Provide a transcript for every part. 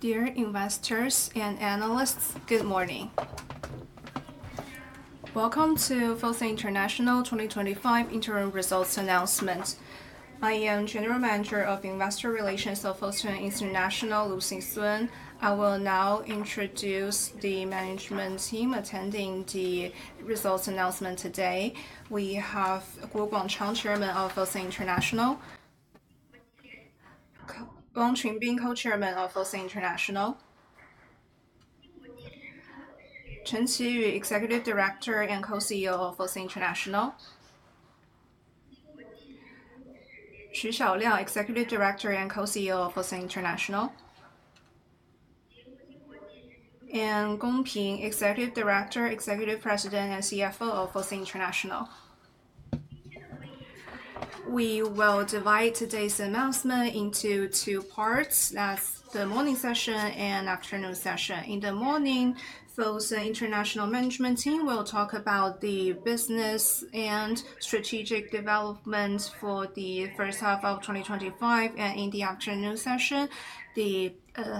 Dear investors and analysts, good morning. Welcome to Fosun International's 2025 Interim Results Announcement. I am General Manager of Investor Relations of Fosun International, Lu Xing Sun. I will now introduce the management team attending the results announcement today. We have Guo Guangchang, Chairman of Fosun International, Wang Qunbin, Co-Chairman of Fosun International, Chen Qiyu, Executive Director and Co-CEO of Fosun International, Xu Xiaoliang, Executive Director and Co-CEO of Fosun International, and Gong Ping, Executive Director, Executive President and CFO of Fosun International. We will divide today's announcement into two parts: the morning session and the afternoon session. In the morning, Fosun International's management team will talk about the business and strategic developments for the first half of 2025, and in the afternoon session, the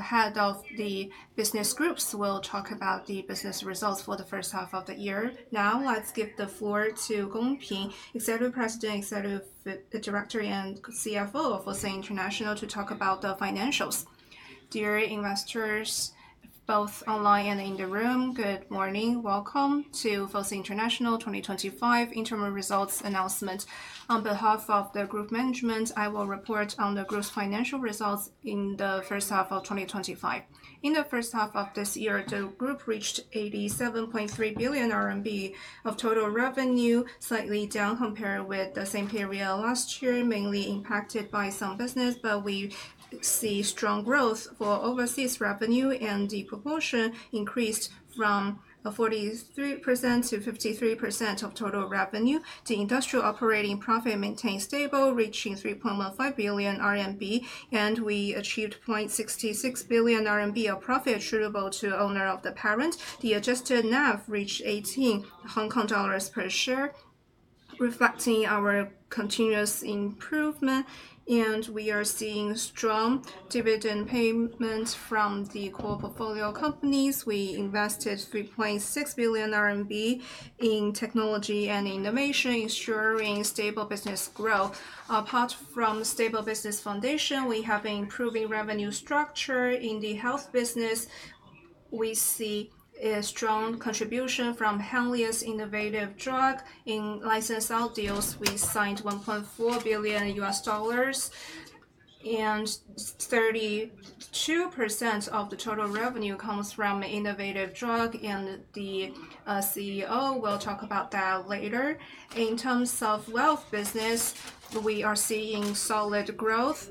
head of the business groups will talk about the business results for the first half of the year. Now, let's give the floor to Gong Ping, Executive President, Executive Director, and CFO of Fosun International, to talk about the financials. Dear investors, both online and in the room, good morning. Welcome to Fosun International's 2025 Interim Results Announcement. On behalf of the group management, I will report on the group's financial results in the first half of 2025. In the first half of this year, the group reached ¥87.3 billion of total revenue, slightly down compared with the same period last year, mainly impacted by some business, but we see strong growth for overseas revenue and the proportion increased from 43% to 53% of total revenue. The industrial operating profit maintained stable, reaching ¥3.5 billion, and we achieved ¥0.66 billion of profit attributable to the owner of the parent. The adjusted NAV reached HK$18 per share, reflecting our continuous improvement, and we are seeing strong dividend payments from the core portfolio companies. We invested ¥3.6 billion in technology and innovation, ensuring stable business growth. Apart from stable business foundation, we have an improving revenue structure in the health business. We see a strong contribution from Henlius Innovative Drug in licensed health deals. We signed $1.4 billion, and 32% of the total revenue comes from the innovative drug, and the CEO will talk about that later. In terms of the wealth business, we are seeing solid growth.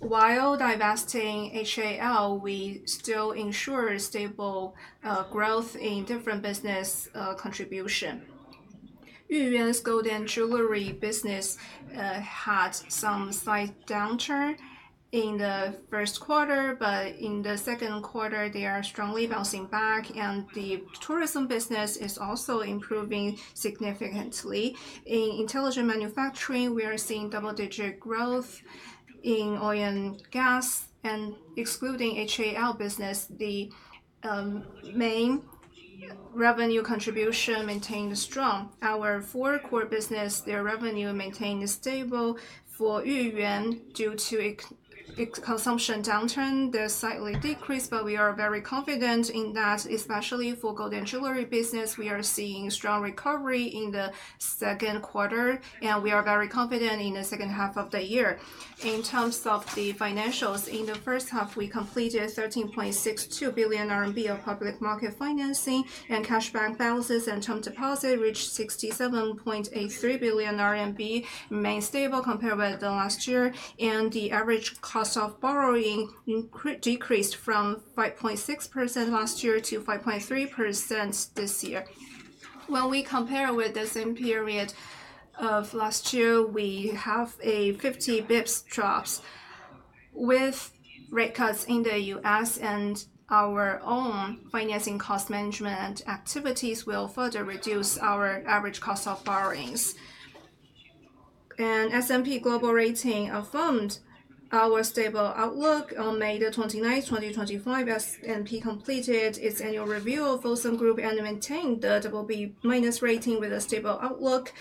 While divesting HAL, we still ensure stable growth in different business contributions. Yuyuan's gold and jewelry business had some slight downturn in the first quarter, but in the second quarter, they are strongly bouncing back, and the tourism business is also improving significantly. In intelligent manufacturing, we are seeing double-digit growth. In oil and gas, and excluding HAL business, the main revenue contribution maintains strong. Our four core businesses, their revenue maintains stable for Yuyuan due to a consumption downturn. They are slightly decreased, but we are very confident in that, especially for the gold and jewelry business. We are seeing a strong recovery in the second quarter, and we are very confident in the second half of the year. In terms of the financials, in the first half, we completed ¥13.62 billion of public market financing, and cash bank balances and term deposits reached ¥67.83 billion, remaining stable compared with last year, and the average cost of borrowing decreased from 5.6% last year to 5.3% this year. When we compare with the same period of last year, we have a 50 bps drop with rate cuts in the U.S., and our own financing cost management activities will further reduce our average cost of borrowings. S&P Global Ratings affirmed our stable outlook. On May 29, 2025, S&P completed its annual review of Fosun International and maintained the BB- rating with a stable outlook,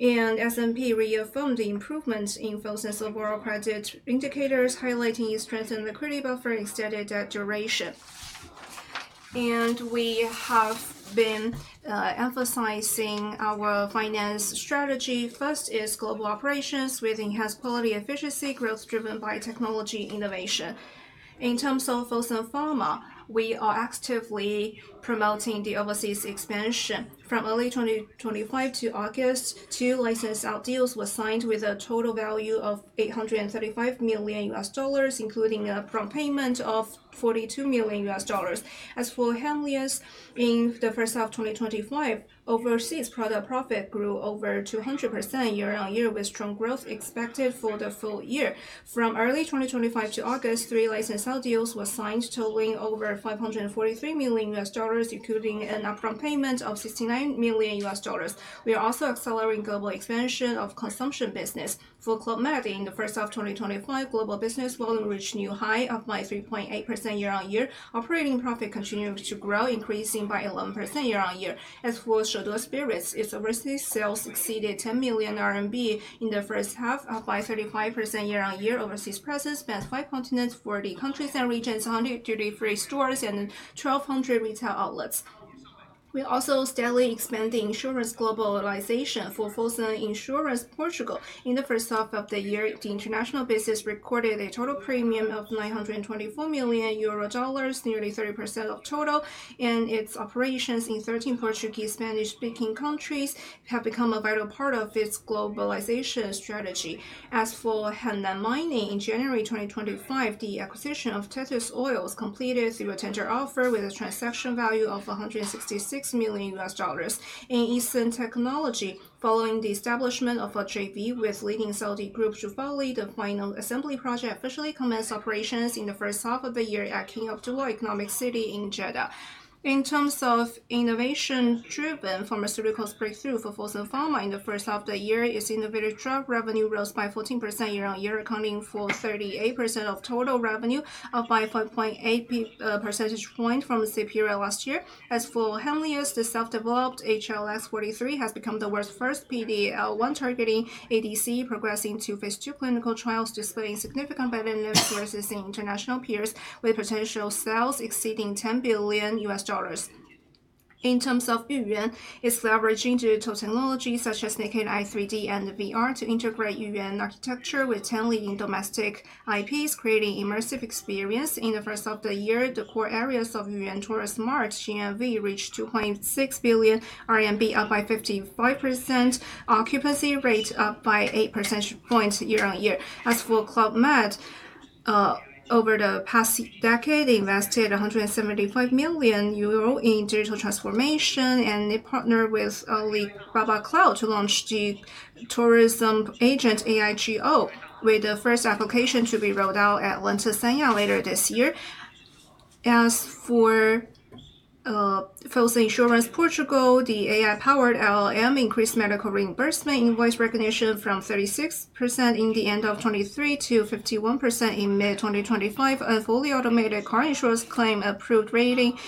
and S&P reaffirmed the improvements in Fosun's overall credit indicators, highlighting its strength in liquidity buffer and steady debt duration. We have been emphasizing our finance strategy. First is global operations with enhanced quality efficiency, growth driven by technology innovation. In terms of Fosun Pharma, we are actively promoting the overseas expansion. From early 2025 to August, two licensed health deals were signed with a total value of $835 million, including a prompt payment of $42 million. As for Henlius, in the first half of 2025, overseas product profit grew over 200% year-on-year, with strong growth expected for the full year. From early 2025 to August, three licensed health deals were signed, totaling over $543 million, including an upfront payment of $69 million. We are also accelerating global expansion of the consumption business. For Club Med, in the first half of 2025, global business volume reached a new high by 3.8% year-on-year. Operating profit continued to grow, increasing by 11% year-on-year. As for Yuyuan Spirits, its overseas sales exceeded ¥10 million in the first half, up by 35% year-on-year. Overseas presence spans five continents, 133 stores, and 1,200 retail outlets. We are also steadily expanding insurance globalization. For Fosun Insurance Portugal in the first half of the year, the international business recorded a total premium of €924 million, nearly 30% of total, and its operations in 13 Portuguese and Spanish-speaking countries have become a vital part of its globalization strategy. As for Hainan Mining, in January 2025, the acquisition of Tetris Oil completed its retainer offer with a transaction value of $166 million. In Eastern Technology, following the establishment of HIV, with leading Saudi groups to follow, the final assembly project officially commenced operations in the first half of the year at King Abdullah Economic City in Jeddah. In terms of innovation-driven pharmaceuticals breakthrough, for Fosun Pharma, in the first half of the year, its innovative drug revenue rose by 14% year-on-year, accounting for 38% of total revenue, up by 5.8 percentage points from the same period last year. As for Henlius, the self-developed HLS-43 has become the world's first PD-L1 targeting ADC, progressing to phase two clinical trials, displaying significant benefits versus international peers, with potential sales exceeding $10 billion. In terms of Yuyuan, it's leveraging digital technologies such as making AI, 3D, and VR to integrate Yuyuan architecture with 10 leading domestic IPs, creating an immersive experience. In the first half of the year, the core areas of Yuyuan Tourist Mart, GNV, reached ¥2.6 billion, up by 55%, occupancy rate up by 8 percentage points year-on-year. As for Club Med, over the past decade, they invested €175 million in digital transformation, and they partnered with Alibaba Cloud to launch the tourism agent AI GO, with the first application to be rolled out at Lentosanha later this year. As for Fosun Insurance Portugal, the AI-powered LLM increased medical reimbursement invoice recognition from 36% at the end of 2023 to 51% in mid-2025, and fully automated car insurance claim approved rating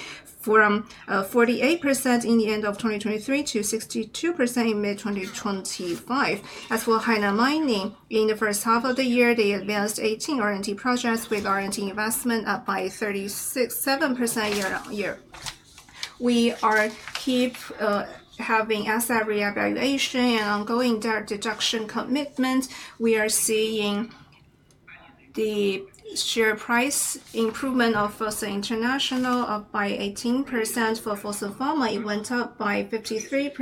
from 48% at the end of 2023 to 62% in mid-2025. As for Hainan Mining, in the first half of the year, they advanced 18 R&D projects with R&D investment up by 37% year-on-year. We keep having asset reevaluation and ongoing debt reduction commitment. We are seeing the share price improvement of Fosun International up by 18%. For Fosun Pharma, it went up by 53%.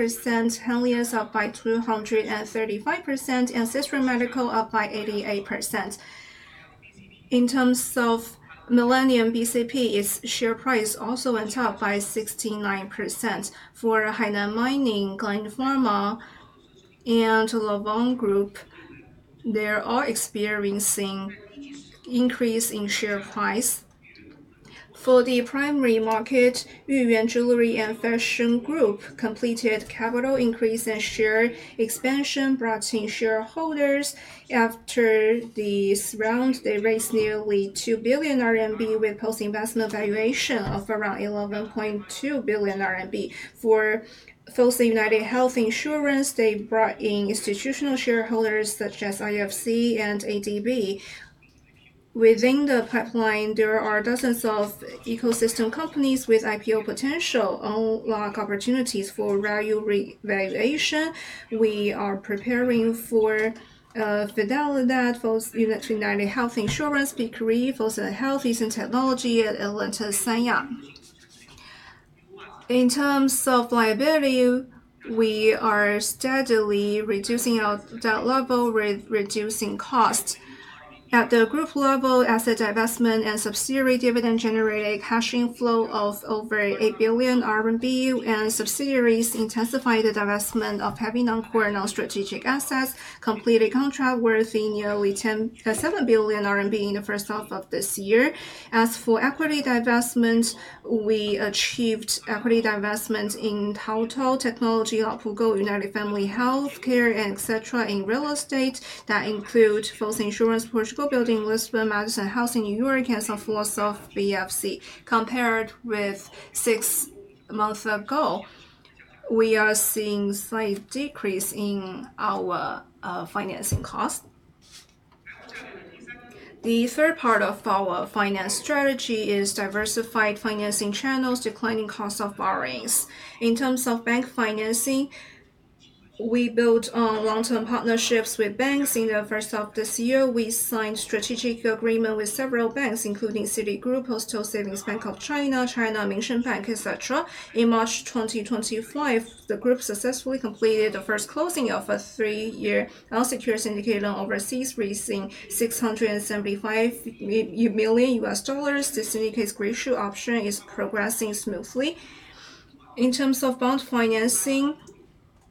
Henlius up by 235%, and Sisram Medical up by 88%. In terms of Millennium BCP, its share price also went up by 69%. For Hainan Mining, Gland Pharma, and Lovon Group, they are all experiencing an increase in share price. For the primary market, Yuyuan Jewelry and Fashion Group completed capital increase and share expansion, brought in shareholders. After this round, they raised nearly ¥2 billion with post-investment valuation of around ¥11.2 billion. For Fosun United Health Insurance, they brought in institutional shareholders such as IFC and ADB. Within the pipeline, there are dozens of ecosystem companies with IPO potential, unlock opportunities for value reevaluation. We are preparing for a Fidelidde, Fosun United Health Insurance, Peak Re, Fosun Health, Eastern Technology, and Atlantis Sanya. In terms of liability, we are steadily reducing our debt level with reducing costs. At the group level, asset divestment and subsidiary dividend-generated cash inflow of over ¥8 billion, and subsidiaries intensified the divestment of heavy non-core and non-strategic assets, completed a contract worth nearly ¥7 billion in the first half of this year. As for equity divestment, we achieved equity divestment in Total, Technology Lab, Fugo, United Family Healthcare, etc. in real estate that include Fosun Insurance Portugal Building in Lisbon, Madison Health in New York, and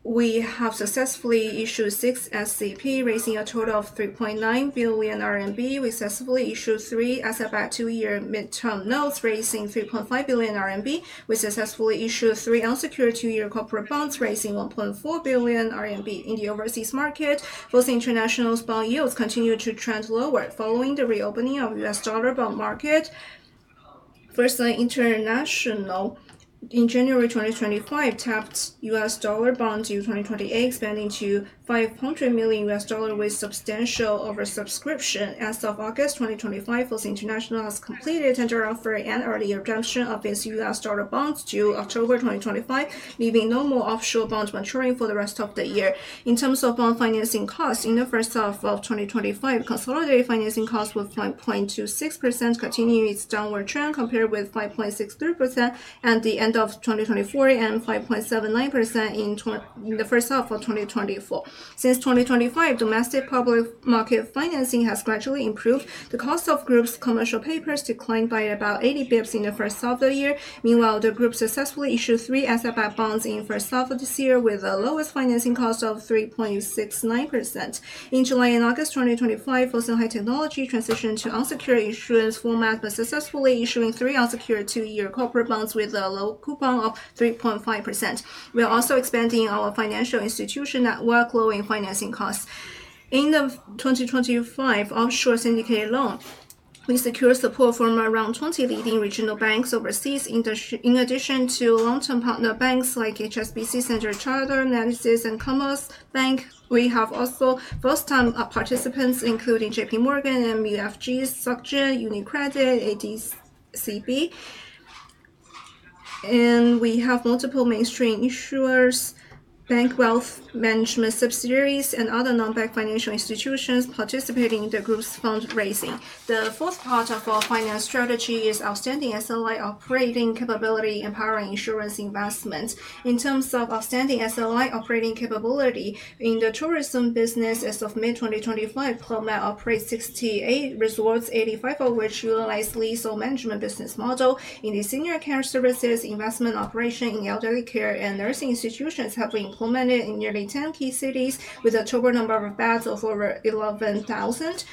We successfully issued three SFI two-year mid-term notes, raising ¥3.5 billion. We successfully issued three unsecured two-year corporate bonds, raising ¥1.4 billion. In the overseas market, Fosun International's bond yields continue to trend lower following the reopening of the U.S. dollar bond market. Fosun International, in January 2025, tapped U.S. dollar bonds in 2028, expanding to $500 million with substantial oversubscription. As of August 2025, Fosun International has completed its tender offer and already redemption of its U.S. dollar bonds to October 2025, leaving no more offshore bonds maturing for the rest of the year. In terms of bond financing costs, in the first half of 2025, consolidated financing costs were 5.26%, continuing its downward trend compared with 5.63% at the end of 2024 and 5.79% in the first half of 2024. Since 2025, domestic public market financing has gradually improved. The cost of the group's commercial papers declined by about 80 bps in the first half of the year. Meanwhile, the group successfully issued three SFI bonds in the first half of this year, with the lowest financing cost of 3.69%. In July and August 2025, Fosun High Technology transitioned to unsecured insurance formats by successfully issuing three unsecured two-year corporate bonds with a low coupon of 3.5%. We are also expanding our financial institution network, lowering financing costs. In the 2025 offshore syndicated loan, we secure support from around 20 leading regional banks overseas. In addition to long-term partner banks like HSBC, Standard Chartered, Natixis, and Commerzbank, we have also first-time participants including JPMorgan, MUFG, SocGen, UniCredit, ADCB. We have multiple mainstream issuers, bank wealth management subsidiaries, and other non-bank financial institutions participating in the group's fundraising. The fourth part of our finance strategy is outstanding SLI operating capability empowering insurance investments. In terms of outstanding SLI operating capability, in the tourism business, as of May 2025, Club Med operates 68 resorts, 85 of which utilize the lease-on-management business model. In the senior care services, investment operations in elderly care and nursing institutions have been implemented in nearly 10 key cities, with a total number of beds of over 11,000.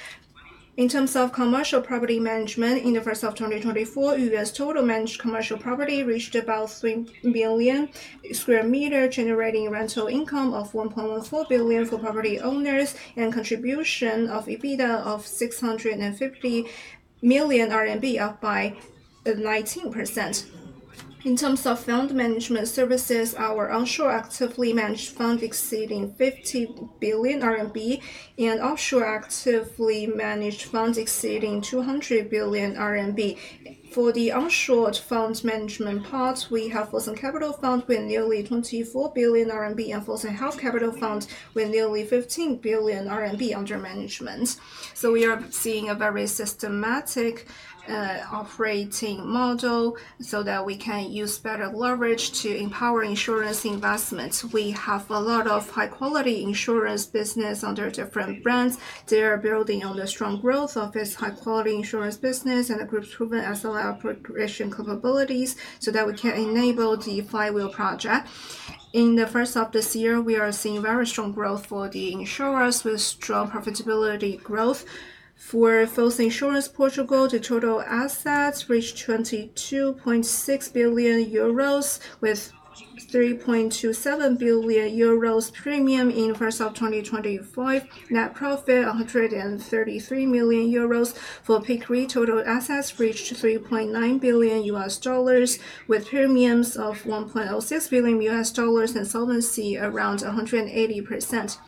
In terms of commercial property management, in the first half of 2024, U.S. total managed commercial property reached about 3 million square meters, generating rental income of $1.14 billion for property owners and a contribution of EBITDA of 650 million RMB, up by 19%. In terms of fund management services, our onshore actively managed funds exceed ¥50 billion and offshore actively managed funds exceeding ¥200 billion. For the onshore fund management part, we have Fosun Capital Fund with nearly ¥24 billion and Fosun Health Capital Fund with nearly ¥15 billion under management. We are seeing a very systematic operating model so that we can use better leverage to empower insurance investments. We have a lot of high-quality insurance businesses under different brands. They are building on the strong growth of this high-quality insurance business and the group's proven SLI operation capabilities so that we can enable the flywheel project. In the first half of this year, we are seeing very strong growth for the insurers with strong profitability growth. For Fosun Insurance Portugal, the total assets reached €22.6 billion, with €3.27 billion premium in the first half of 2023. Net profit €133 million. For Peak Re, total assets reached $3.9 billion with premiums of $1.06 billion and solvency around 180%.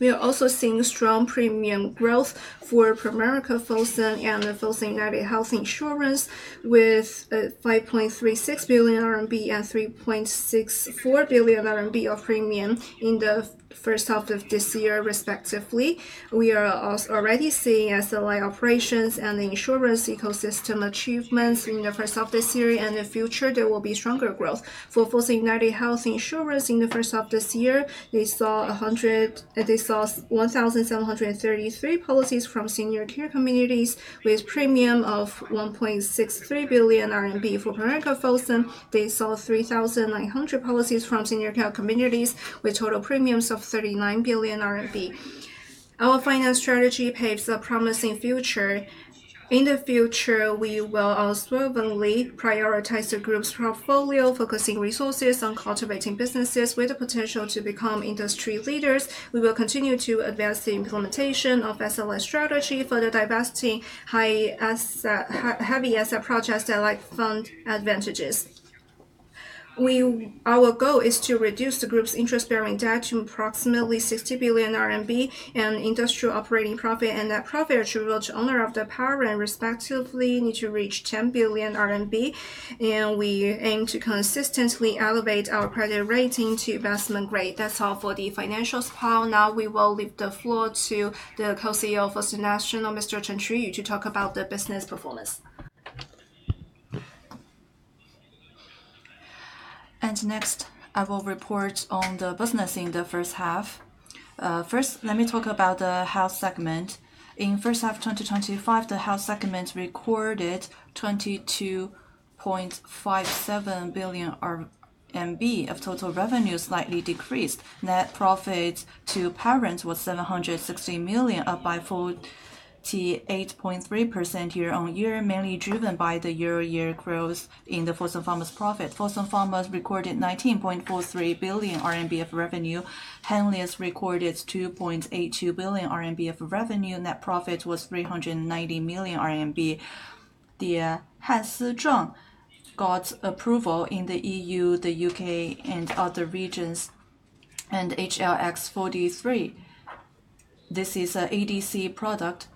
We are also seeing strong premium growth for Pramerica Fosun Life and Fosun United Health Insurance with ¥5.36 billion and ¥3.64 billion of premium in the first half of this year, respectively. We are already seeing SLI operations and the insurance ecosystem achievements in the first half of this year, and in the future, there will be stronger growth. For Fosun United Health Insurance, in the first half of this year, they saw 1,733 policies from senior care communities with premiums of ¥1.63 billion. For Pramerica Fosun Life, they saw 3,900 policies from senior care communities with total premiums of ¥3.9 billion. Our finance strategy paves a promising future. In the future, we will unswervingly prioritize the group's portfolio, focusing resources on cultivating businesses with the potential to become industry leaders. We will continue to advance the implementation of SLI strategy, further divesting heavy asset projects that lack fund advantages. Our goal is to reduce the group's interest-bearing debt to approximately ¥60 billion, and industrial operating profit and net profit attributable to the owner of the parent respectively need to reach ¥10 billion. We aim to consistently elevate our credit rating to investment grade. That's all for the financials part. Now we will leave the floor to the Co-CEO of Fosun International, Mr. Chen Qiyu, to talk about the business performance. Next, I will report on the business in the first half. First, let me talk about the health segment. In the first half of 2025, the health segment recorded 22.57 billion of total revenue, slightly decreased. Net profit to parents was 760 million, up by 48.3% year-on-year, mainly driven by the year-on-year growth in Fosun Pharma's profit. Fosun Pharma recorded 19.43 billion RMB of revenue. Henlius recorded 2.82 billion RMB of revenue. Net profit was 390 million RMB. The HEST strong got approval in the EU, the UK, and other regions, and HLS-43. This is an ADC product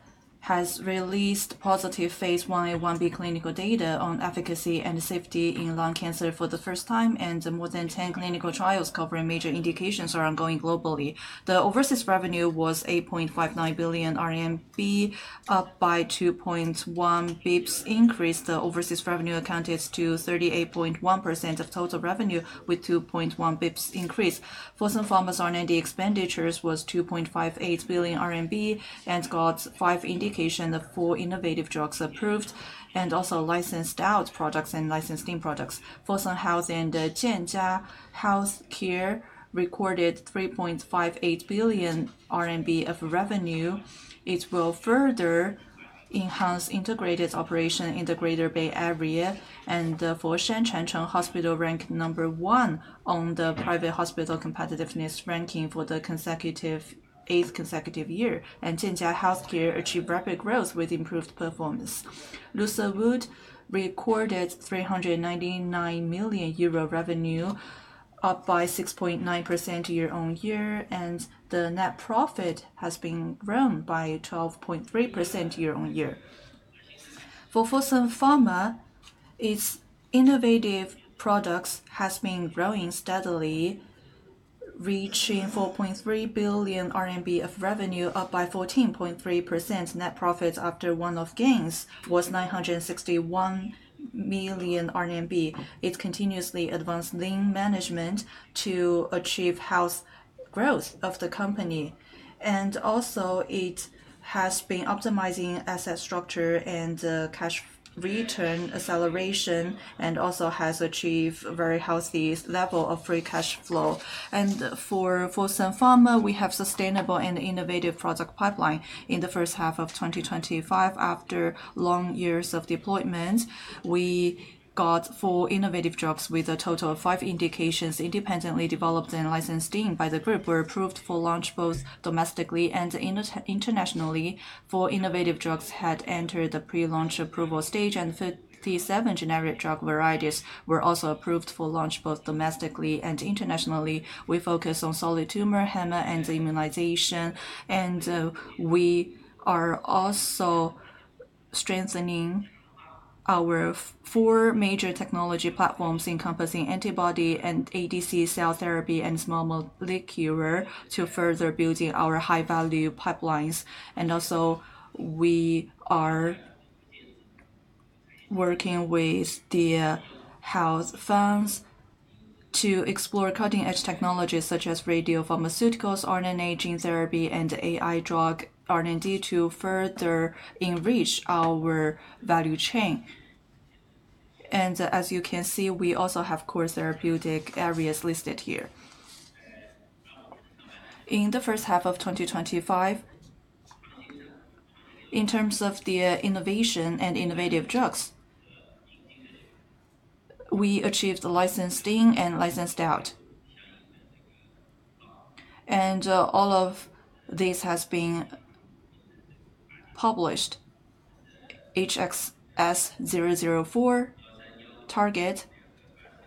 that has released positive phase 1A/1B clinical data on efficacy and safety in lung cancer for the first time, and more than 10 clinical trials covering major indications are ongoing globally. The overseas revenue was 8.59 billion RMB, up by 2.1 bps increase. The overseas revenue accounted for 38.1% of total revenue with 2.1 bps increase. Fosun Pharma's R&D expenditures were 2.58 billion RMB and got five indications of four innovative drugs approved and also licensed out products and licensed team products. Fosun Health and JinJia Healthcare recorded 3.58 billion RMB of revenue. It will further enhance integrated operations in the Greater Bay Area, and for Shen Changcheng Hospital, ranked number one on the private hospital competitiveness ranking for the eighth consecutive year. JianJia Healthcare achieved rapid growth with improved performance. Fidelidade recorded €399 million revenue, up by 6.9% year-on-year, and the net profit has grown by 12.3% year-on-year. For Fosun Pharma, its innovative products have been growing steadily, reaching 4.3 billion RMB of revenue, up by 14.3%. Net profit after one-off gains was 961 million RMB. It continuously advances lean management to achieve healthy growth of the company. It has been optimizing asset structure and cash return acceleration, and also has achieved a very healthy level of free cash flow. For Fosun Pharma, we have a sustainable and innovative product pipeline. In the first half of 2025, after long years of deployment, we got four innovative drugs with a total of five indications independently developed and licensed by the group. We're approved for launch both domestically and internationally. Four innovative drugs had entered the pre-launch approval stage, and 57 generic drug varieties were also approved for launch both domestically and internationally. We focus on solid tumor, hematology and immunization, and we are also strengthening our four major technology platforms encompassing antibody and ADC, cell therapy, and small molecule to further build our high-value pipelines. We are working with the health firms to explore cutting-edge technologies such as radiopharmaceuticals, RNA gene therapy, and AI drug R&D to further enrich our value chain. You can see we also have core therapeutic areas listed here. In the first half of 2025, in terms of the innovation and innovative drugs, we achieved licensing and licensed out. All of this has been published: HXS004 Target,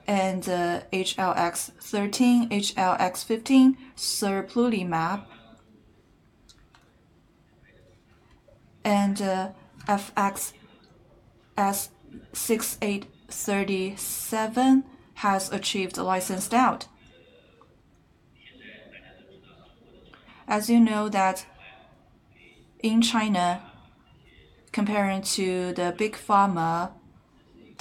HLX13, HLX15, Serplulimab, and FXS6837 have achieved licensed out. As you know, in China, compared to the big pharma,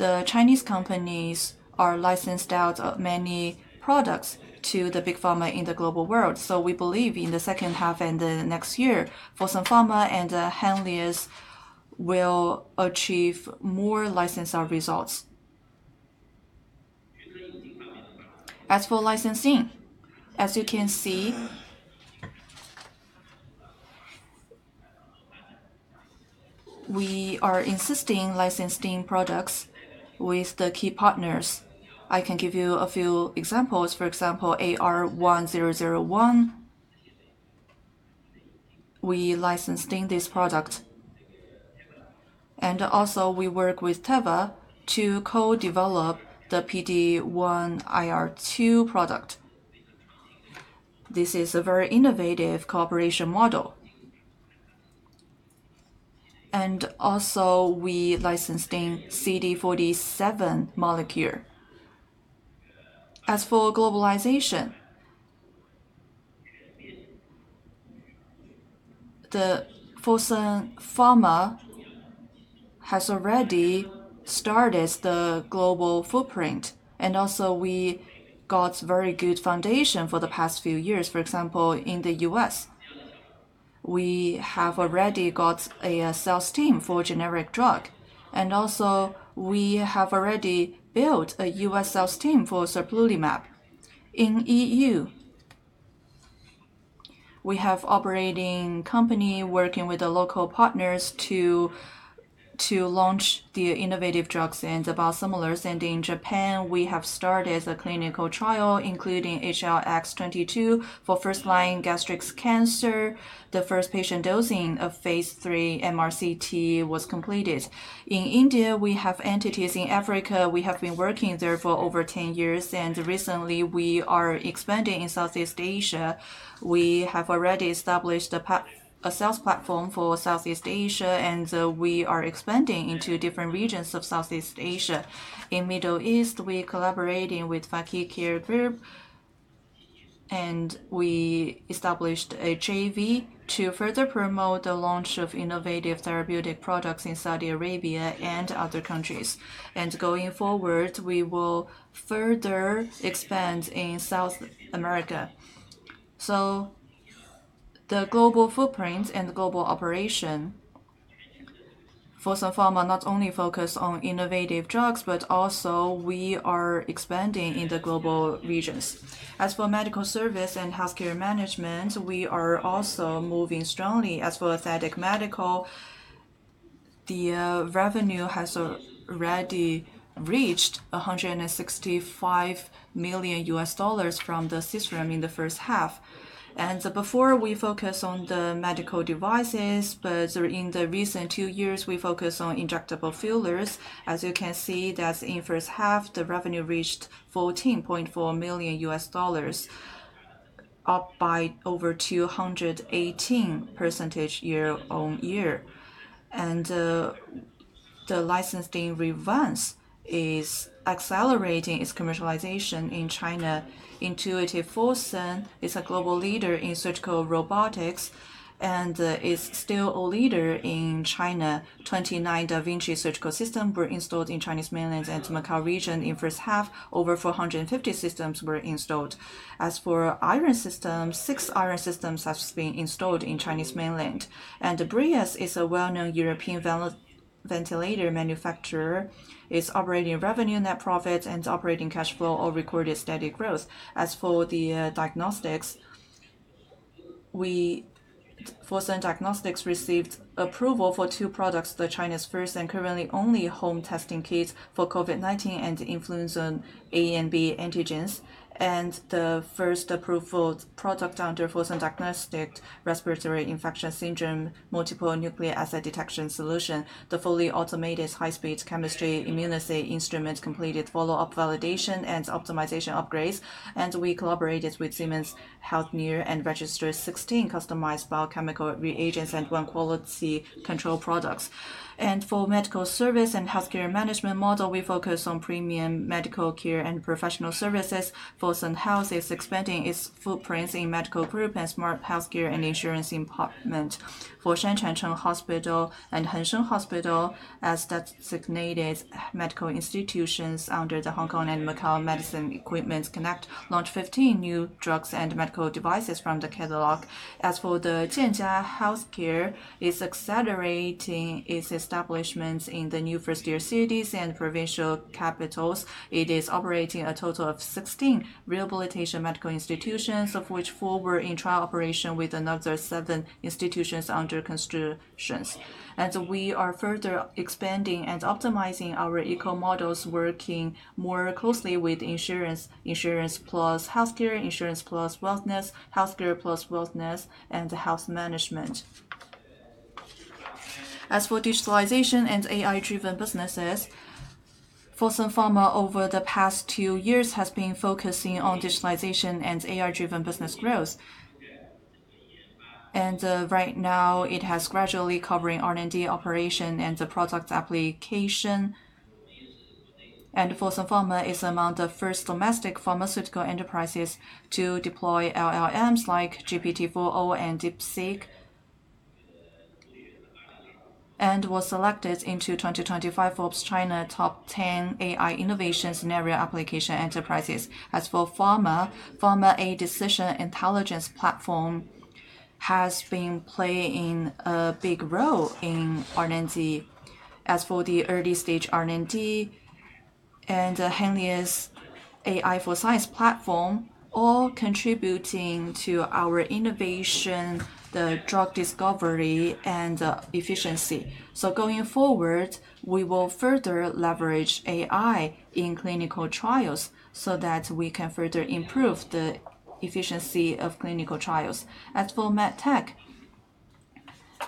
the Chinese companies are licensing out many products to the big pharma in the global world. We believe in the second half and the next year, Fosun Pharma and Henlius will achieve more licensed out results. As for licensing, you can see we are insisting on licensing products with the key partners. I can give you a few examples. For example, AR1001, we licensed this product. We work with Teva to co-develop the PD-1IR2 product. This is a very innovative cooperation model. We also licensed CD47 molecule. As for globalization, Fosun Pharma has already started the global footprint. We got a very good foundation for the past few years. For example, in the U.S., we have already got a sales team for a generic drug. We have already built a U.S. sales team for Serplulimab. In the EU, we have an operating company working with the local partners to launch the innovative drugs and biosimilars. In Japan, we have started a clinical trial including HLX22 for first-line gastric cancer. The first patient dosing of phase three MRCT was completed. In India, we have entities. In Africa, we have been working there for over 10 years, and recently, we are expanding in Southeast Asia. We have already established a sales platform for Southeast Asia, and we are expanding into different regions of Southeast Asia. In the Middle East, we are collaborating with the Fakeeh Care Group, and we established HAV to further promote the launch of innovative therapeutic products in Saudi Arabia and other countries. Going forward, we will further expand in South America. The global footprint and the global operation for Fosun Pharma not only focuses on innovative drugs, but also we are expanding in the global regions. As for medical service and healthcare management, we are also moving strongly. For aesthetic medical, the revenue has already reached $165 million from the system in the first half. Before, we focused on the medical devices, but in the recent two years, we focused on injectable fillers. As you can see, in the first half, the revenue reached $14.4 million, up by over 218% year-on-year. The licensing revenue is accelerating its commercialization in China. Intuitive Fosun is a global leader in surgical robotics and is still a leader in China. 29 Da Vinci surgical systems were installed in the Chinese mainland and Macao region in the first half. Over 450 systems were installed. For iron systems, six iron systems have been installed in the Chinese mainland. BRIAS is a well-known European ventilator manufacturer. Its operating revenue, net profit, and operating cash flow all recorded steady growth. For diagnostics, Fosun Diagnostics received approval for two products: the Chinese first and currently only home testing kits for COVID-19 and Influenza A and B antigens, and the first approved product under Fosun Diagnostics: respiratory infection syndrome multiple nucleic acid detection solution. The fully automated high-speed chemistry immunocyte instrument completed follow-up validation and optimization upgrades, and we collaborated with Siemens Healthineers and registered 16 customized biochemical reagents and one quality control product. For medical service and healthcare management model, we focus on premium medical care and professional services. Fosun Health is expanding its footprints in the medical group and smart healthcare and insurance department. For Shen Changcheng Hospital and Hensheng Hospital, as designated medical institutions under the Hong Kong and Macao Medicine Equipment Connect, launched 15 new drugs and medical devices from the catalog. For the JinJia Healthcare, it's accelerating its establishments in the new first-tier cities and provincial capitals. It is operating a total of 16 rehabilitation medical institutions, of which four were in trial operation with another seven institutions under construction. We are further expanding and optimizing our eco-models, working more closely with insurance, insurance plus healthcare, insurance plus wellness, healthcare plus wellness, and health management. As for digitalization and AI-driven businesses, Fosun Pharma over the past two years has been focusing on digitalization and AI-driven business growth. Right now, it has gradually covered R&D operation and the product application. Fosun Pharma is among the first domestic pharmaceutical enterprises to deploy LLMs like GPT-4o and DeepSeek, and was selected into 2025 Forbes China Top 10 AI Innovation Scenario Application Enterprises. As for pharma, PharmAID decision intelligence platform has been playing a big role in R&D. The early-stage R&D and Helios AI for Science platform are all contributing to our innovation, the drug discovery, and efficiency. Going forward, we will further leverage AI in clinical trials so that we can further improve the efficiency of clinical trials. As for med tech,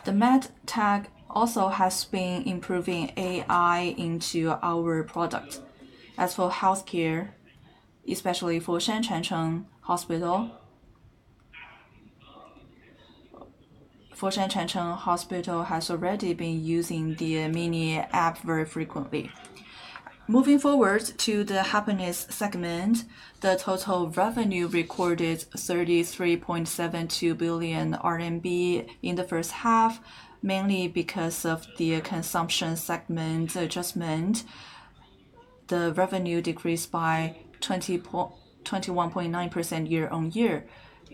the med tech also has been improving AI into our product. As for healthcare, especially for Fosun Changcheng Hospital, Fosun Changcheng Hospital has already been using the mini app very frequently. Moving forward to the happiness segment, the total revenue recorded 33.72 billion RMB in the first half, mainly because of the consumption segment adjustment. The revenue decreased by 21.9% year-on-year.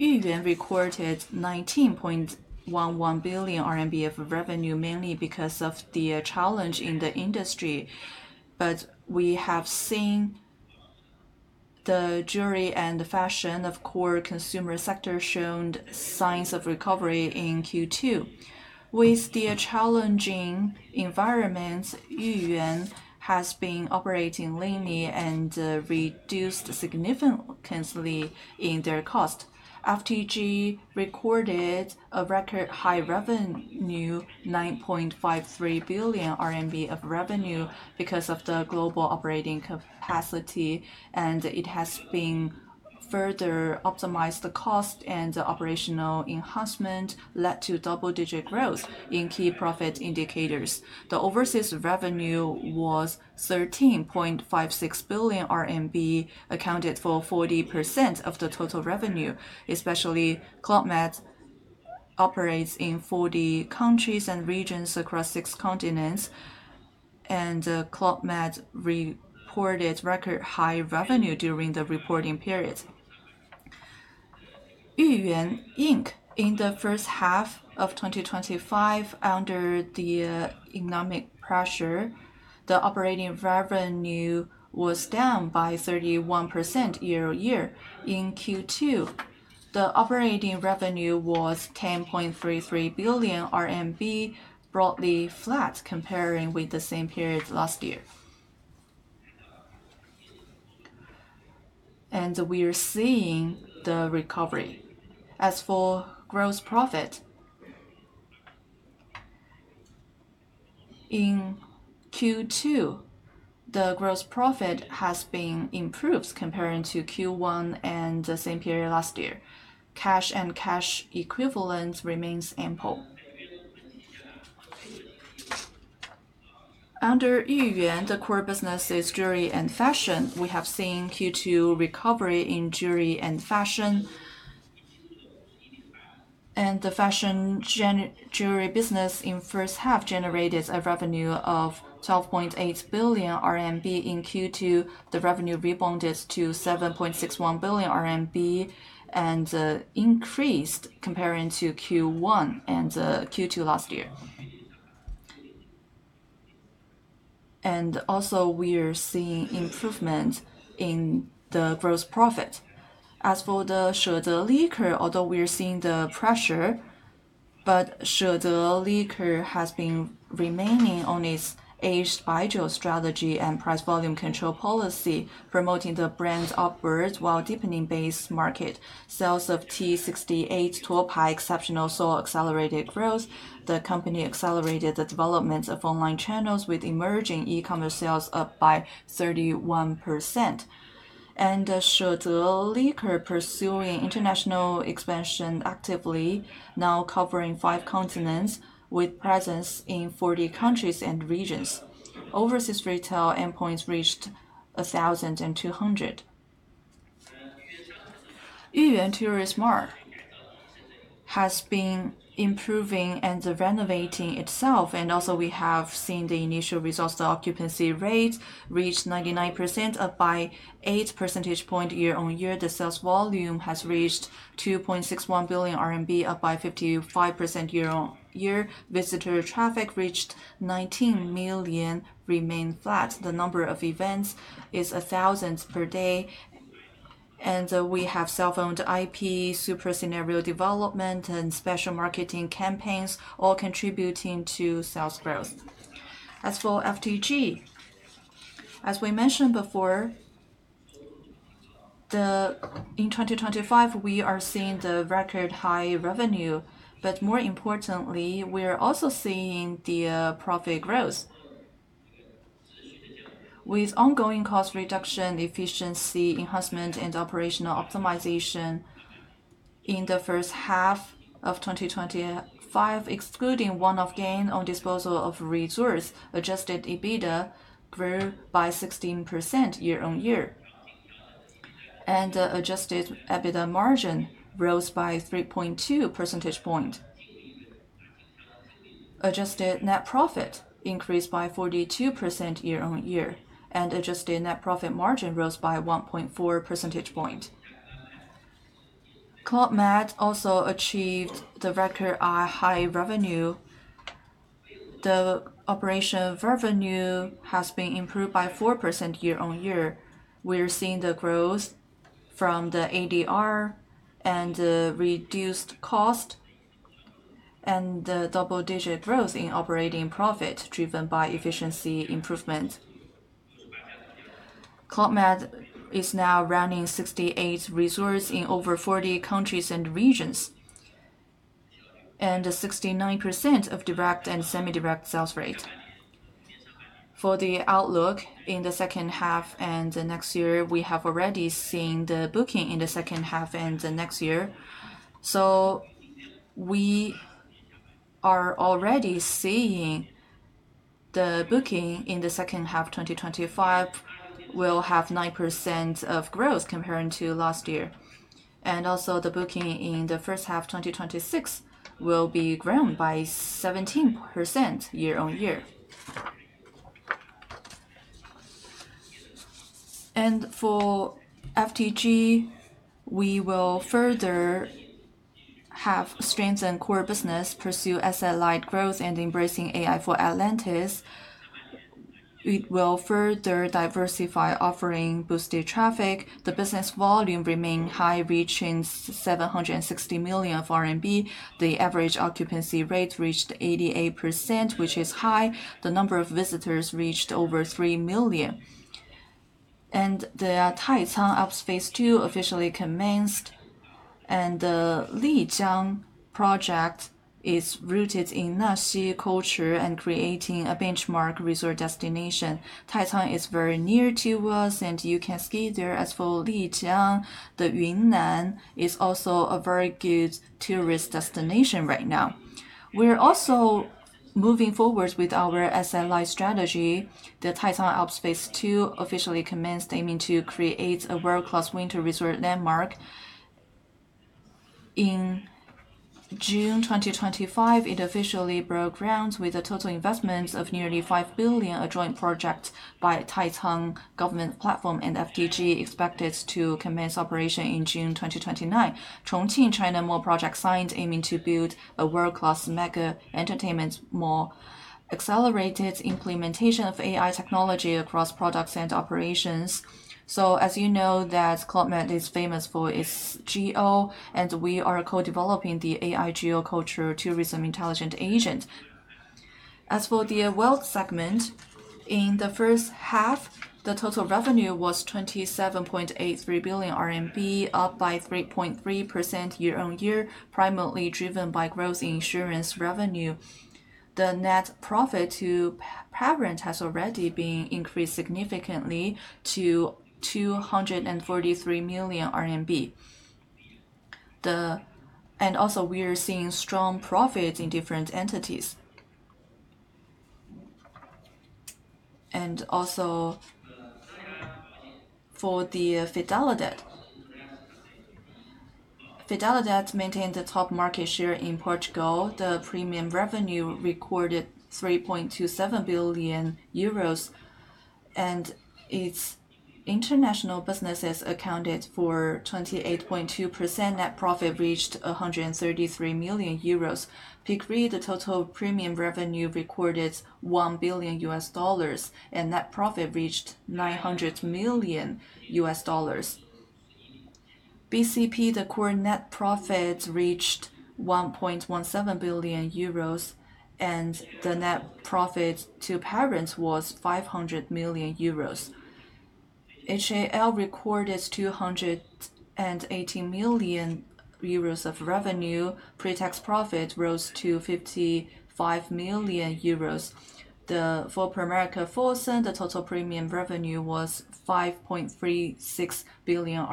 Yuyuan recorded 19.11 billion yuan of revenue, mainly because of the challenge in the industry. We have seen the jewelry and fashion of core consumer sectors showing signs of recovery in Q2. With the challenging environment, Yuyuan has been operating leanly and reduced significantly in their cost. FTG recorded a record high revenue, 9.53 billion RMB of revenue because of the global operating capacity, and it has been further optimized the cost, and the operational enhancement led to double-digit growth in key profit indicators. The overseas revenue was 13.56 billion RMB, accounted for 40% of the total revenue. Especially, Club Med operates in 40 countries and regions across six continents, and Club Med reported record high revenue during the reporting period. Yuyuan Inc. in the first half of 2025, under the economic pressure, the operating revenue was down by 31% year-on-year. In Q2, the operating revenue was 10.33 billion RMB, broadly flat comparing with the same period last year. We are seeing the recovery. As for gross profit, in Q2, the gross profit has been improved compared to Q1 and the same period last year. Cash and cash equivalents remain ample. Under Yuyuan, the core business is jewelry and fashion. We have seen Q2 recovery in jewelry and fashion. The fashion jewelry business in the first half generated a revenue of 12.8 billion RMB. In Q2, the revenue rebounded to 7.61 billion RMB and increased compared to Q1 and Q2 last year. We are also seeing improvement in the gross profit. As for the Shede Liquor, although we are seeing the pressure, Shede Liquor has been remaining on its aged baiju strategy and price volume control policy, promoting the brand upwards while deepening the base market. Sales of T68 Tuopai Exceptional saw accelerated growth. The company accelerated the development of online channels with emerging e-commerce sales up by 31%. Shede Liquor is pursuing international expansion actively, now covering five continents with a presence in 40 countries and regions. Overseas retail endpoints reached 1,200. Yuyuan Tourism Smart has been improving and renovating itself. We have seen the initial results. The occupancy rate reached 99%, up by 8 percentage points year-on-year. The sales volume has reached 2.61 billion RMB, up by 55% year-on-year. Visitor traffic reached 19 million, remained flat. The number of events is 1,000 per day. We have self-owned IP, super scenario development, and special marketing campaigns, all contributing to sales growth. As for FTG, as we mentioned before, in 2025, we are seeing the record high revenue, but more importantly, we are also seeing the profit growth. With ongoing cost reduction, efficiency enhancement, and operational optimization in the first half of 2025, excluding one-off gain on the disposal of resources, adjusted EBITDA grew by 16% year-on-year. The adjusted EBITDA margin rose by 3.2 percentage points. Adjusted net profit increased by 42% year-on-year. Adjusted net profit margin rose by 1.4 percentage points. Club Med also achieved the record high revenue. The operational revenue has been improved by 4% year-on-year. We are seeing the growth from the ADR and the reduced cost and the double-digit growth in operating profit driven by efficiency improvement. Club Med is now running 68 resorts in over 40 countries and regions, and 69% of direct and semi-direct sales rate. For the outlook in the second half and the next year, we have already seen the booking in the second half and the next year. We are already seeing the booking in the second half of 2025 will have 9% of growth compared to last year. Also, the booking in the first half of 2026 will be grown by 17% year-on-year. For FTG, we will further have strengthened core business, pursue SLI growth, and embracing AI for Atlantis. It will further diversify offerings, boost traffic. The business volume remains high, reaching ¥760 million. The average occupancy rate reached 88%, which is high. The number of visitors reached over 3 million. The Taicang Alps Phase II project officially commenced. The Lijiang project is rooted in Naxi culture and creating a benchmark resort destination. Taicang is very near to us, and you can ski there. As for Lijiang, Yunnan is also a very good tourist destination right now. We're also moving forward with our SLI strategy. The Taicang Alps Resort Phase II project officially commenced, aiming to create a world-class winter resort landmark. In June 2025, it officially broke ground with a total investment of nearly ¥5 billion. A joint project by the Taicang Government Platform and FTG is expected to commence operation in June 2029. The Chongqing China Mall project is signed, aiming to build a world-class mega entertainment mall. Accelerated implementation of AI technology across products and operations. As you know, Club Med is famous for its G.O, and we are co-developing the AI G.O culture tourism intelligent agent. As for the wealth segment, in the first half, the total revenue was ¥27.83 billion, up by 3.3% year-on-year, primarily driven by growth in insurance revenue. The net profit to parents has already been increased significantly to ¥243 million. We are seeing strong profits in different entities. For Fidelidade, Fidelidade maintained the top market share in Portugal. The premium revenue recorded €3.27 billion, and its international businesses accounted for 28.2%. Net profit reached €133 million. Peak Re Reinsurance, the total premium revenue recorded $1 billion, and net profit reached $900 million. BCP, the core net profit reached €1.17 billion, and the net profit to parents was €500 million. HAL recorded €218 million of revenue. Pre-tax profit rose to €55 million. For Pramerica Fosun Life, the total premium revenue was ¥5.36 billion.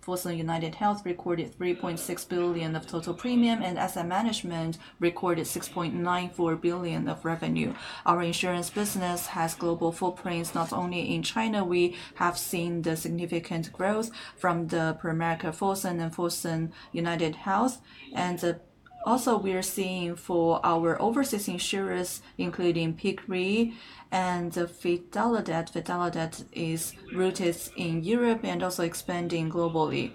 Fosun United Health recorded ¥3.6 billion of total premium, and Asset Management recorded ¥6.94 billion of revenue. Our insurance business has global footprints not only in China. We have seen the significant growth from the Pramerica Fosun and Fosun United Health. We are seeing for our overseas insurers, including Peak Re and Fidelidade. Fidelidade is rooted in Europe and also expanding globally.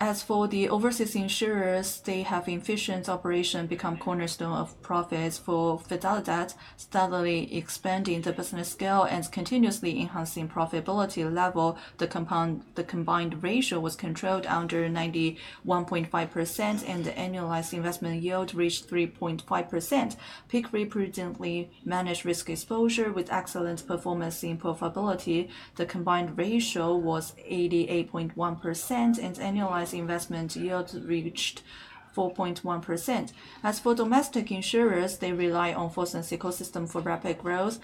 As for the overseas insurers, they have efficient operations become a cornerstone of profits. For Fidelidade, steadily expanding the business scale and continuously enhancing profitability levels. The combined ratio was controlled under 91.5%, and the annualized investment yield reached 3.5%. Peak Re presently managed risk exposure with excellent performance in profitability. The combined ratio was 88.1%, and the annualized investment yield reached 4.1%. As for domestic insurers, they rely on Fosun's ecosystem for rapid growth.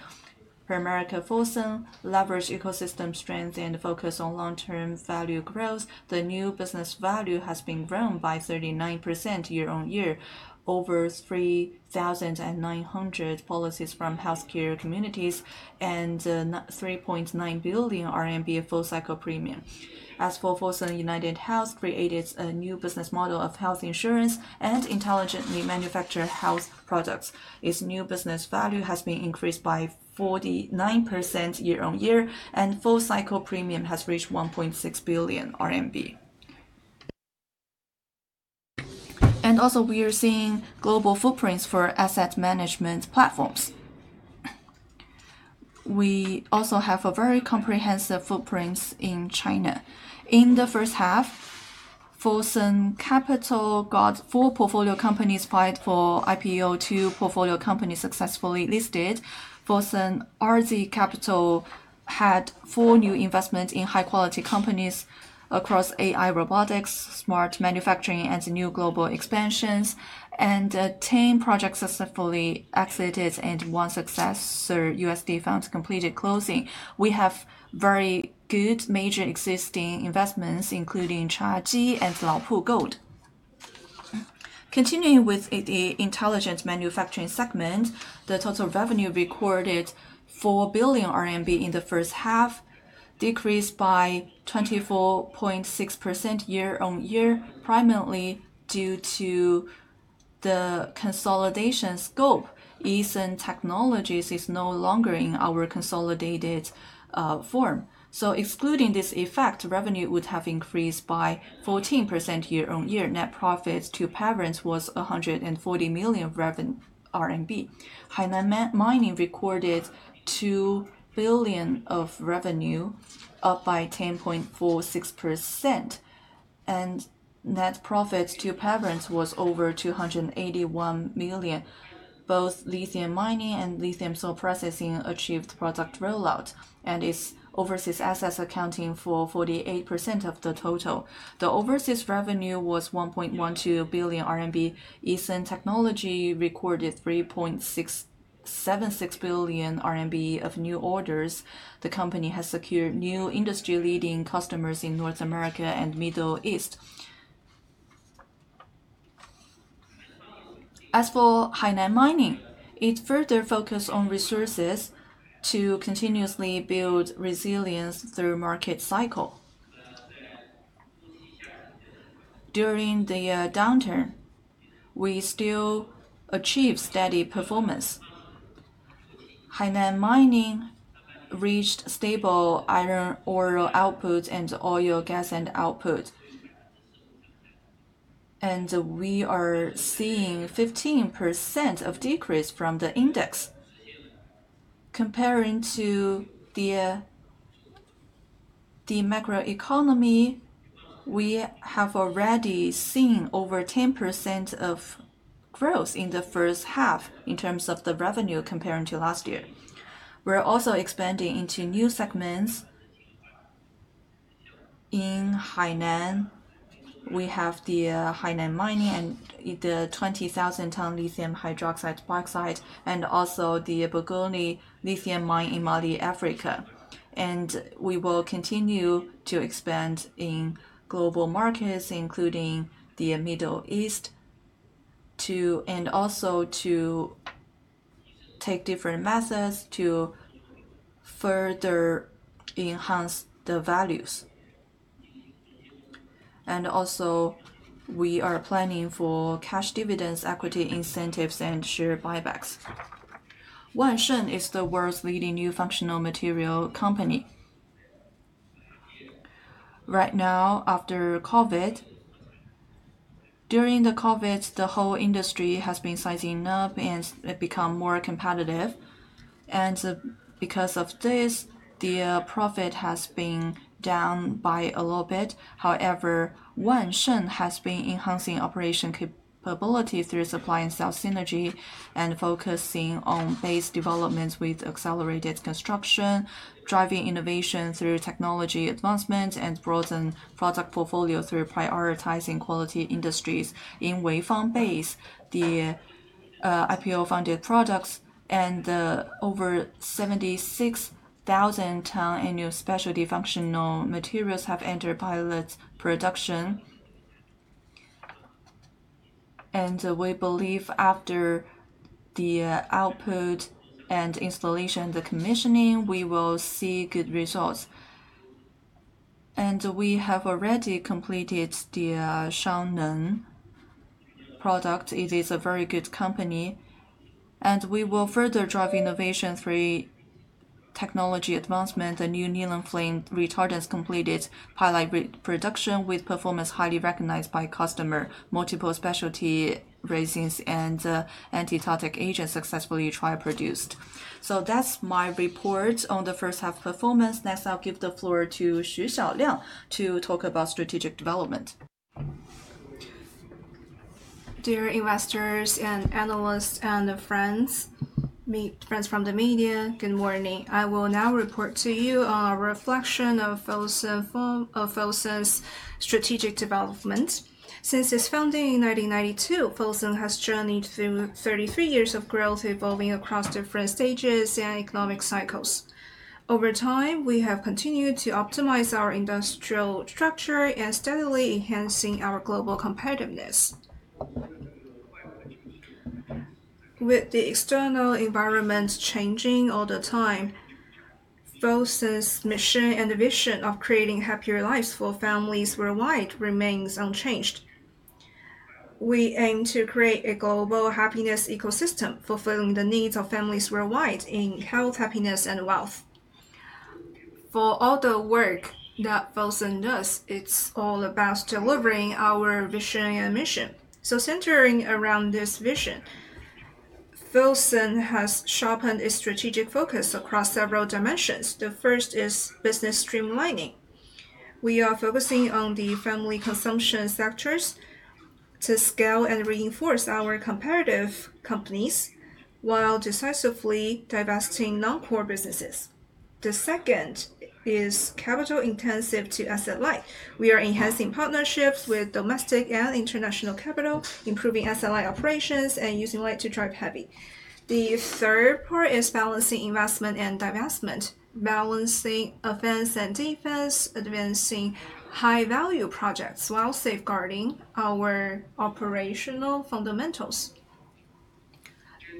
Pramerica Fosun leverages ecosystem strength and focuses on long-term value growth. The new business value has been grown by 39% year-on-year, over 3,900 policies from healthcare communities, and ¥3.9 billion full cycle premium. As for Fosun United Health, it created a new business model of health insurance and intelligently manufactured health products. Its new business value has been increased by 49% year-on-year, and the full cycle premium has reached ¥1.6 billion. We are seeing global footprints for asset management platforms. We also have very comprehensive footprints in China. In the first half, Fosun Capital got four portfolio companies applied for IPO, two portfolio companies successfully listed. Fosun RZ Capital had four new investments in high-quality companies across AI robotics, smart manufacturing, and new global expansions. Ten projects successfully exited and one successor USD fund completed closing. We have very good major existing investments, including Chagee and Laopu Gold. Continuing with the intelligent manufacturing segment, the total revenue recorded ¥4 billion in the first half, decreased by 24.6% year-on-year, primarily due to the consolidation scope. Easun Technology is no longer in our consolidated form. Excluding this effect, revenue would have increased by 14% year-on-year. Net profit to parents was ¥140 million. Hainan Mining recorded ¥2 billion of revenue, up by 10.46%, and net profit to parents was over ¥281 million. Both lithium mining and lithium cell processing achieved product rollout, and its overseas assets accounted for 48% of the total. The overseas revenue was 1.12 billion RMB. Easun Technology recorded 3.76 billion RMB of new orders. The company has secured new industry-leading customers in North America and the Middle East. As for Hainan Mining, it further focused on resources to continuously build resilience through the market cycle. During the downturn, we still achieved steady performance. Hainan Mining reached stable iron ore output and oil and gas output, and we are seeing 15% of decrease from the index. Comparing to the macroeconomy, we have already seen over 10% of growth in the first half in terms of the revenue compared to last year. We're also expanding into new segments. In Hainan, we have the Hainan Mining and the 20,000-ton lithium hydroxide parkside, and also the Bougouni Lithium Mine in Mali, Africa. We will continue to expand in global markets, including the Middle East, and also to take different methods to further enhance the values. We are planning for cash dividends, equity incentives, and share buybacks. Wansheng is the world's leading new functional material company. Right now, after COVID, during the COVID, the whole industry has been sizing up and become more competitive. Because of this, the profit has been down by a little bit. However, Wansheng has been enhancing operation capabilities through supply and sell synergy and focusing on base developments with accelerated construction, driving innovation through technology advancements, and broadening product portfolios through prioritizing quality industries in wafer-based IPO-funded products. Over 76,000-ton annual specialty functional materials have entered pilot production. We believe after the output and installation and the commissioning, we will see good results. We have already completed the Shangnan product. It is a very good company. We will further drive innovation through technology advancement. The new nylon flame retardant has completed pilot production with performance highly recognized by customers. Multiple specialty resins and antitotic agents successfully trial-produced. That's my report on the first half performance. Next, I'll give the floor to Xu Xiaoliang to talk about strategic development. Dear investors and analysts and friends from the media, good morning. I will now report to you on a reflection of Fosun's strategic development. Since its founding in 1992, Fosun has journeyed through 33 years of growth, evolving across different stages and economic cycles. Over time, we have continued to optimize our industrial structure and steadily enhancing our global competitiveness. With the external environment changing all the time, Fosun's mission and vision of creating happier lives for families worldwide remains unchanged. We aim to create a global happiness ecosystem, fulfilling the needs of families worldwide in health, happiness, and wealth. For all the work that Fosun does, it's all about delivering our vision and mission. Centering around this vision, Fosun has sharpened its strategic focus across several dimensions. The first is business streamlining. We are focusing on the family consumption sectors to scale and reinforce our competitive companies while decisively divesting non-core businesses. The second is capital intensive to SLI. We are enhancing partnerships with domestic and international capital, improving SLI operations, and using light to drive heavy. The third part is balancing investment and divestment, balancing offense and defense, advancing high-value projects while safeguarding our operational fundamentals.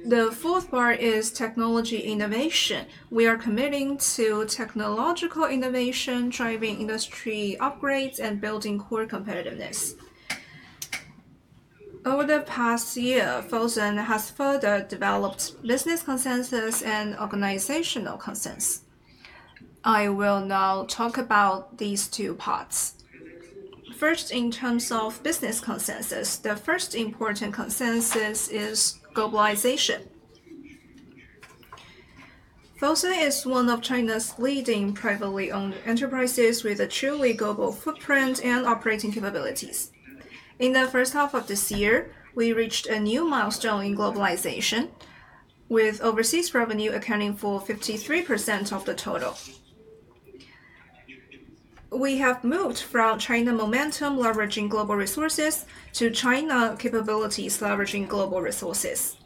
The fourth part is technology innovation. We are committing to technological innovation, driving industry upgrades, and building core competitiveness. Over the past year, Fosun has further developed business consensus and organizational consensus. I will now talk about these two parts. First, in terms of business consensus, the first important consensus is globalization. Fosun is one of China's leading privately owned enterprises with a truly global footprint and operating capabilities. In the first half of this year, we reached a new milestone in globalization, with overseas revenue accounting for 53% of the total. We have moved from China momentum leveraging global resources to China capabilities leveraging global resources.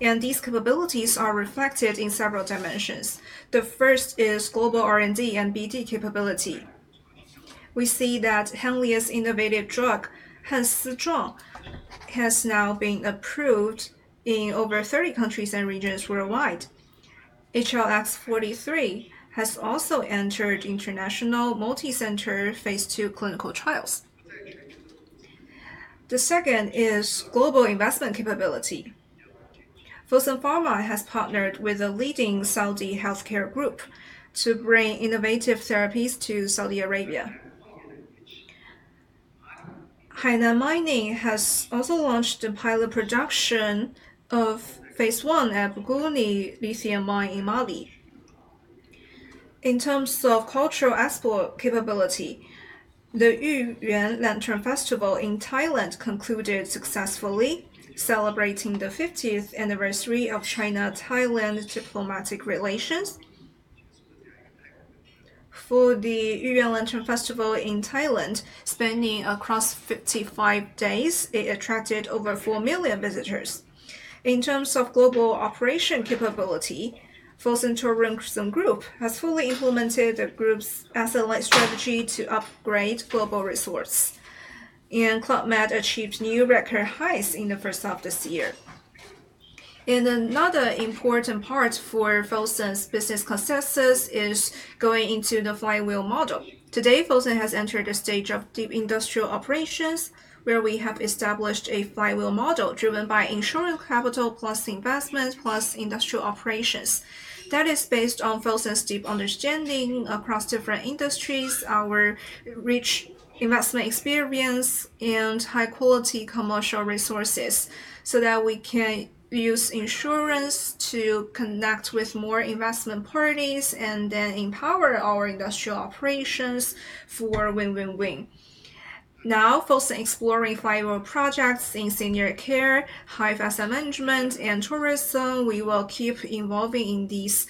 These capabilities are reflected in several dimensions. The first is global R&D and BD capability. We see that Henlius innovative drug, HANSIZHUANG, has now been approved in over 30 countries and regions worldwide. HLX43 has also entered international multicenter phase two clinical trials. The second is global investment capability. Fosun Pharma has partnered with a leading Saudi healthcare group to bring innovative therapies to Saudi Arabia. Hainan Mining has also launched the pilot production of phase one at Bougouni Lithium Mine in Mali. In terms of cultural export capability, the Yuyuan Lantern Festival in Thailand concluded successfully, celebrating the 50th anniversary of China-Thailand diplomatic relations. For the Yuyuan Lantern Festival in Thailand, spanning across 55 days, it attracted over 4 million visitors. In terms of global operation capability, Fosun Tourism Group has fully implemented the group's SLI strategy to upgrade global resources. Club Med achieved new record highs in the first half of this year. Another important part for Fosun's business consensus is going into the flywheel model. Today, Fosun has entered the stage of deep industrial operations, where we have established a flywheel model driven by insurance capital plus investment plus industrial operations. That is based on Fosun's deep understanding across different industries, our rich investment experience, and high-quality commercial resources, so that we can use insurance to connect with more investment parties and then empower our industrial operations for win-win-win. Now, Fosun is exploring flywheel projects in senior care, high-fast management, and tourism. We will keep evolving in these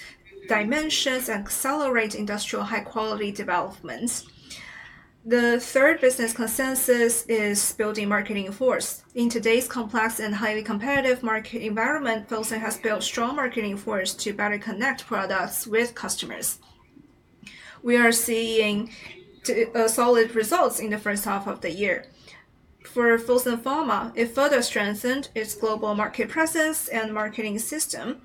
dimensions and accelerate industrial high-quality developments. The third business consensus is building marketing force. In today's complex and highly competitive market environment, Fosun has built strong marketing force to better connect products with customers. We are seeing solid results in the first half of the year. For Fosun Pharma, it further strengthened its global market presence and marketing system,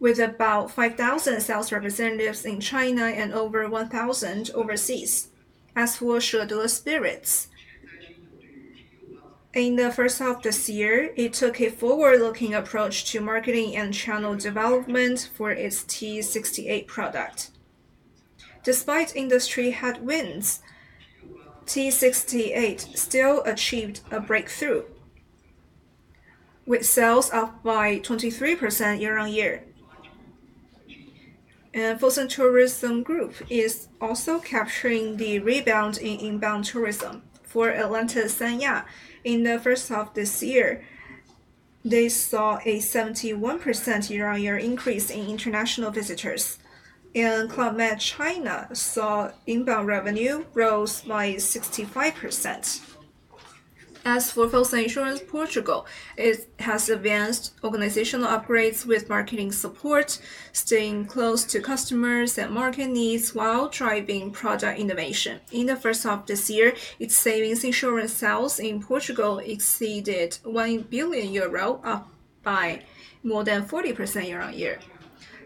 with about 5,000 sales representatives in China and over 1,000 overseas, as were Shede Spirits. In the first half of this year, it took a forward-looking approach to marketing and channel development for its T68 product. Despite industry headwinds, T68 still achieved a breakthrough, with sales up by 23% year-on-year. Fosun Tourism Group is also capturing the rebound in inbound tourism. For Atlantis Sanya, in the first half of this year, they saw a 71% year-on-year increase in international visitors. Club Med China saw inbound revenue rose by 65%. As for Fosun Insurance Portugal, it has advanced organizational upgrades with marketing support, staying close to customers and market needs while driving product innovation. In the first half of this year, its savings insurance sales in Portugal exceeded €1 billion, up by more than 40% year-on-year.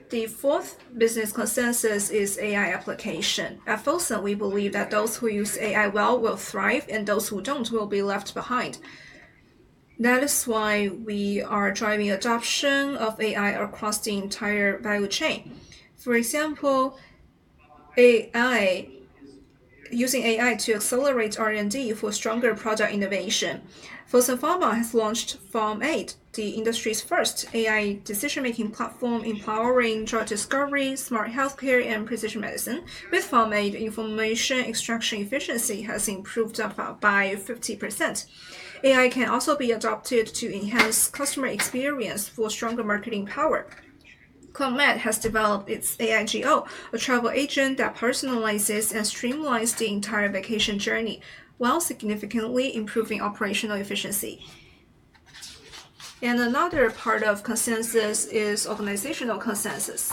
The fourth business consensus is AI application. At Fosun, we believe that those who use AI well will thrive, and those who don't will be left behind. That is why we are driving adoption of AI across the entire value chain. For example, using AI to accelerate R&D for stronger product innovation. Fosun Pharma has launched PharmAID, the industry's first AI decision-making platform empowering drug discovery, smart healthcare, and precision medicine. With PharmAID, information extraction efficiency has improved up by 50%. AI can also be adopted to enhance customer experience for stronger marketing power. Club Med has developed its AI G.O, a travel agent that personalizes and streamlines the entire vacation journey while significantly improving operational efficiency. Another part of consensus is organizational consensus.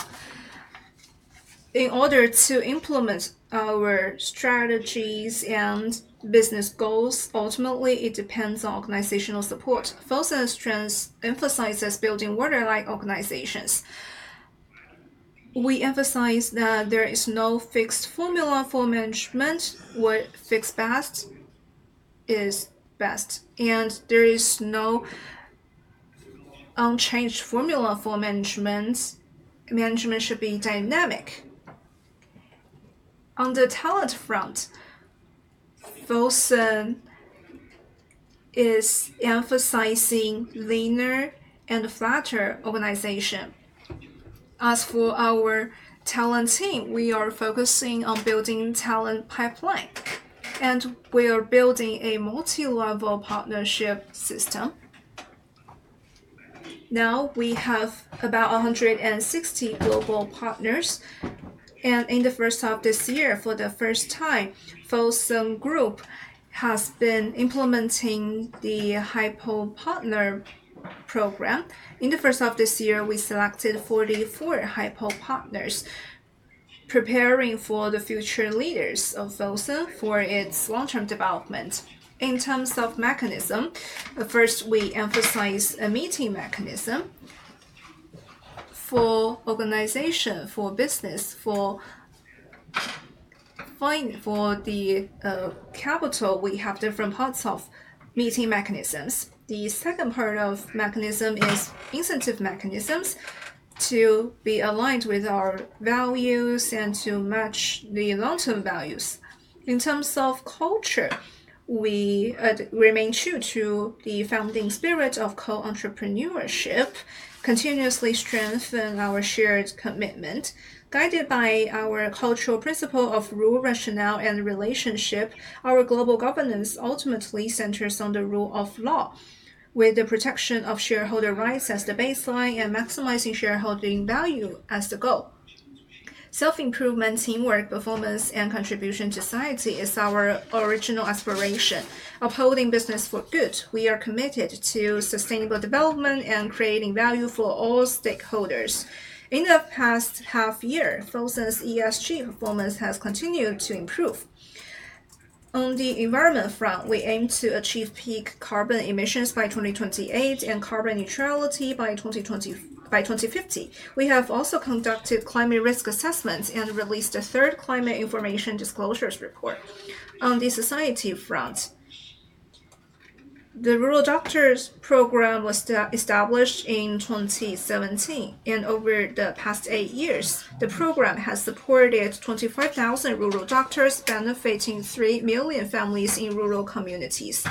In order to implement our strategies and business goals, ultimately, it depends on organizational support. Fosun's strength emphasizes building water-like organizations. We emphasize that there is no fixed formula for management. What fits best is best. There is no unchanged formula for management. Management should be dynamic. On the talent front, Fosun is emphasizing leaner and flatter organization. As for our talent team, we are focusing on building talent pipeline, and we are building a multilevel partnership system. Now, we have about 160 global partners. In the first half of this year, for the first time, Fosun Group has been implementing the Hypo Partner Program. In the first half of this year, we selected 44 Hypo Partners, preparing for the future leaders of Fosun for its long-term development. In terms of mechanism, first, we emphasize a meeting mechanism for organization, for business, for finance, for the capital. We have different parts of meeting mechanisms. The second part of the mechanism is incentive mechanisms to be aligned with our values and to match the long-term values. In terms of culture, we remain true to the founding spirit of co-entrepreneurship, continuously strengthening our shared commitment. Guided by our cultural principle of rule, rationale, and relationship, our global governance ultimately centers on the rule of law, with the protection of shareholder rights as the baseline and maximizing shareholding value as the goal. Self-improvement, teamwork, performance, and contribution to society is our original aspiration. Upholding business for good, we are committed to sustainable development and creating value for all stakeholders. In the past half year, Fosun's ESG performance has continued to improve. On the environment front, we aim to achieve peak carbon emissions by 2028 and carbon neutrality by 2050. We have also conducted climate risk assessments and released the third climate information disclosures report. On the society front, the Rural Doctors Program was established in 2017, and over the past eight years, the program has supported 25,000 rural doctors, benefiting 3 million families in rural communities.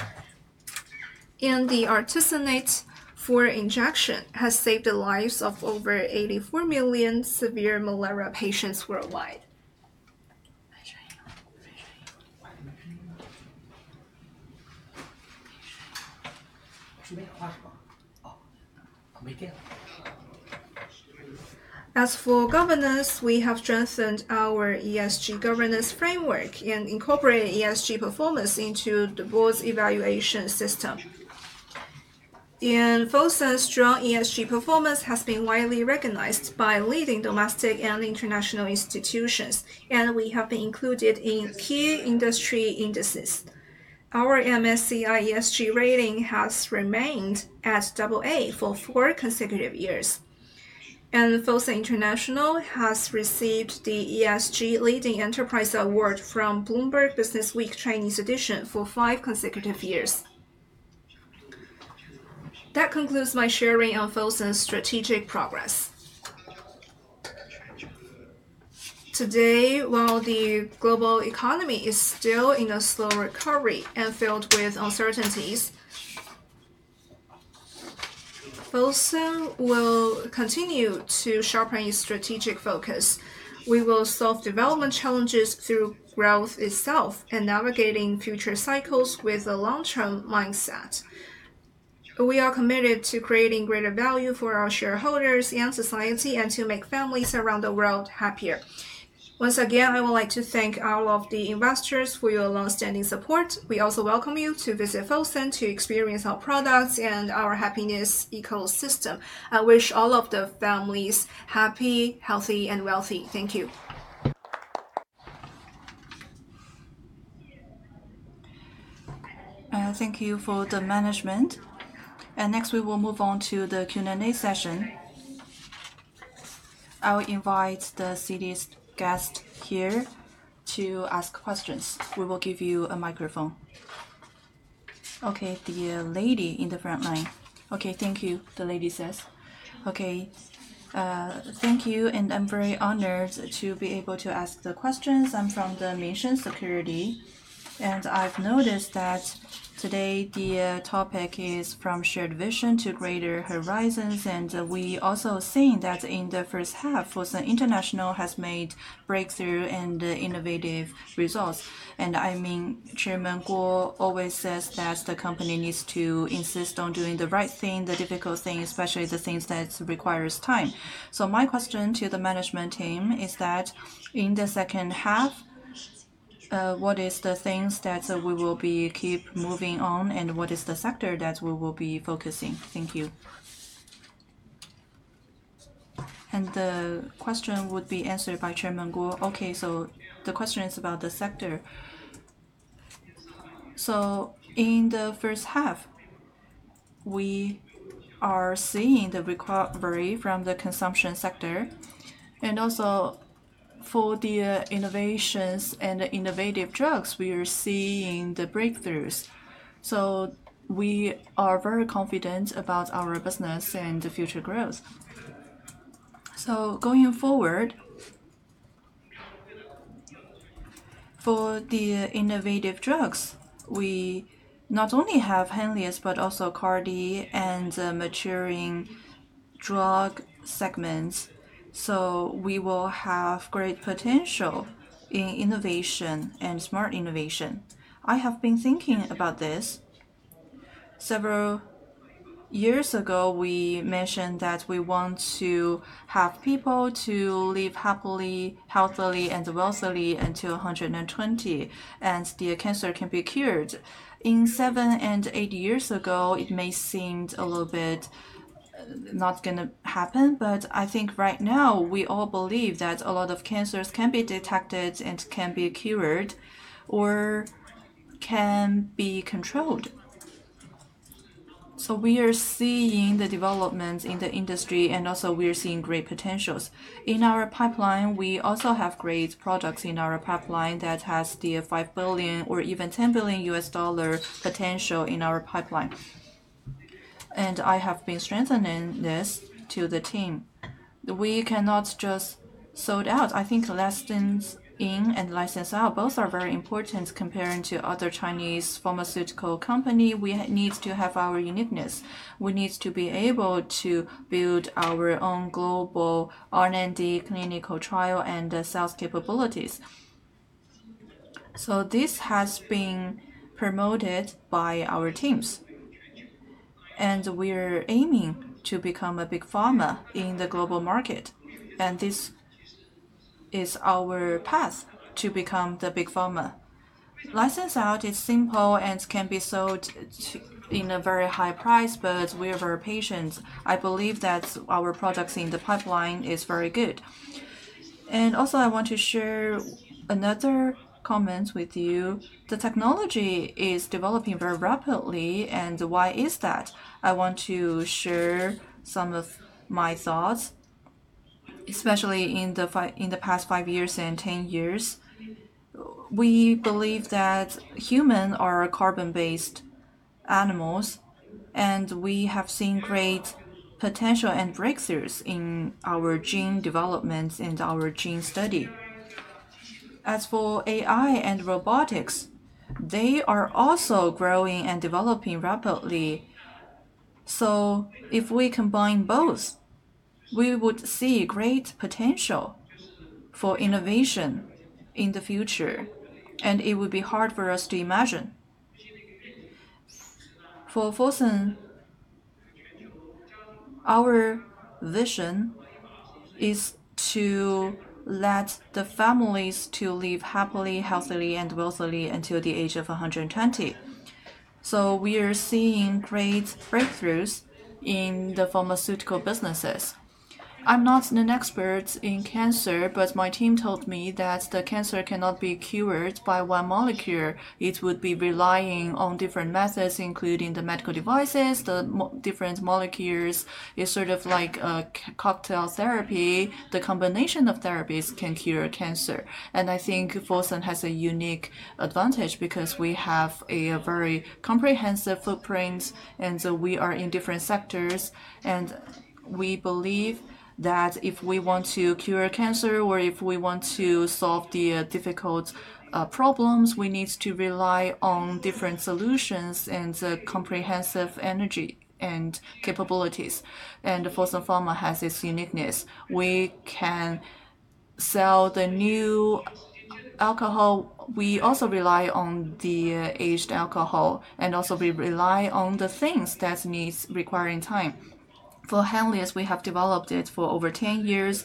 The artesunate for injection has saved the lives of over 84 million severe malaria patients worldwide. As for governance, we have strengthened our ESG governance framework and incorporated ESG performance into the board's evaluation system. Fosun's strong ESG performance has been widely recognized by leading domestic and international institutions, and we have been included in key industry indices. Our MSCI ESG rating has remained at AA for four consecutive years. Fosun International has received the ESG Leading Enterprise Award from Bloomberg Businessweek Chinese Edition for five consecutive years. That concludes my sharing on Fosun's strategic progress. Today, while the global economy is still in a slow recovery and filled with uncertainties, Fosun will continue to sharpen its strategic focus. We will solve development challenges through growth itself and navigating future cycles with a long-term mindset. We are committed to creating greater value for our shareholders and society and to make families around the world happier. Once again, I would like to thank all of the investors for your longstanding support. We also welcome you to visit Fosun to experience our products and our happiness ecosystem. I wish all of the families happy, healthy, and wealthy. Thank you. Thank you for the management. Next, we will move on to the Q&A session. I'll invite the next guest here to ask questions. We will give you a microphone. Okay, the lady in the front line. Thank you. I'm very honored to be able to ask the questions. I'm from the Mission Security. I've noticed that today the topic is from shared vision to greater horizons. We also see that in the first half, Fosun International has made breakthrough and innovative results. Chairman Guo always says that the company needs to insist on doing the right thing, the difficult thing, especially the things that require time. My question to the management team is that in the second half, what are the things that we will keep moving on and what is the sector that we will be focusing? Thank you. The question would be answered by Chairman Guo. The question is about the sector. In the first half, we are seeing the recovery from the consumption sector. Also, for the innovations and innovative drugs, we are seeing the breakthroughs. We are very confident about our business and future growth. Going forward, for the innovative drugs, we not only have Henlius, but also CAR-T and the maturing drug segments. We will have great potential in innovation and smart innovation. I have been thinking about this. Several years ago, we mentioned that we want to have people live happily, healthily, and wealthily until 120, and the cancer can be cured. Seven and eight years ago, it may seem a little bit not going to happen, but I think right now we all believe that a lot of cancers can be detected and can be cured or can be controlled. We are seeing the developments in the industry, and also we are seeing great potentials. In our pipeline, we also have great products in our pipeline that have the $5 billion or even $10 billion potential in our pipeline. I have been strengthening this to the team. We cannot just sort out. I think lessons in and lessons out both are very important compared to other Chinese pharmaceutical companies. We need to have our uniqueness. We need to be able to build our own global R&D clinical trial and the sales capabilities. This has been promoted by our teams. We're aiming to become a big pharma in the global market. This is our path to become the big pharma. Lessons out is simple and can be sold in a very high price, but we are very patient. I believe that our products in the pipeline are very good. Also, I want to share another comment with you. The technology is developing very rapidly. Why is that? I want to share some of my thoughts, especially in the past five years and 10 years. We believe that humans are carbon-based animals, and we have seen great potential and breakthroughs in our gene development and our gene study. As for AI and robotics, they are also growing and developing rapidly. If we combine both, we would see great potential for innovation in the future, and it would be hard for us to imagine. For Fosun International, our vision is to let the families live happily, healthily, and wealthily until the age of 120. We are seeing great breakthroughs in the pharmaceutical businesses. I'm not an expert in cancer, but my team told me that cancer cannot be cured by one molecule. It would be relying on different methods, including the medical devices, the different molecules. It's sort of like a cocktail therapy. The combination of therapies can cure cancer. I think Fosun International has a unique advantage because we have a very comprehensive footprint, and we are in different sectors. We believe that if we want to cure cancer or if we want to solve the difficult problems, we need to rely on different solutions and comprehensive energy and capabilities. Fosun Pharma has this uniqueness. We can sell the new alcohol. We also rely on the aged alcohol, and also we rely on the things that require time. For Henlius, we have developed it for over 10 years.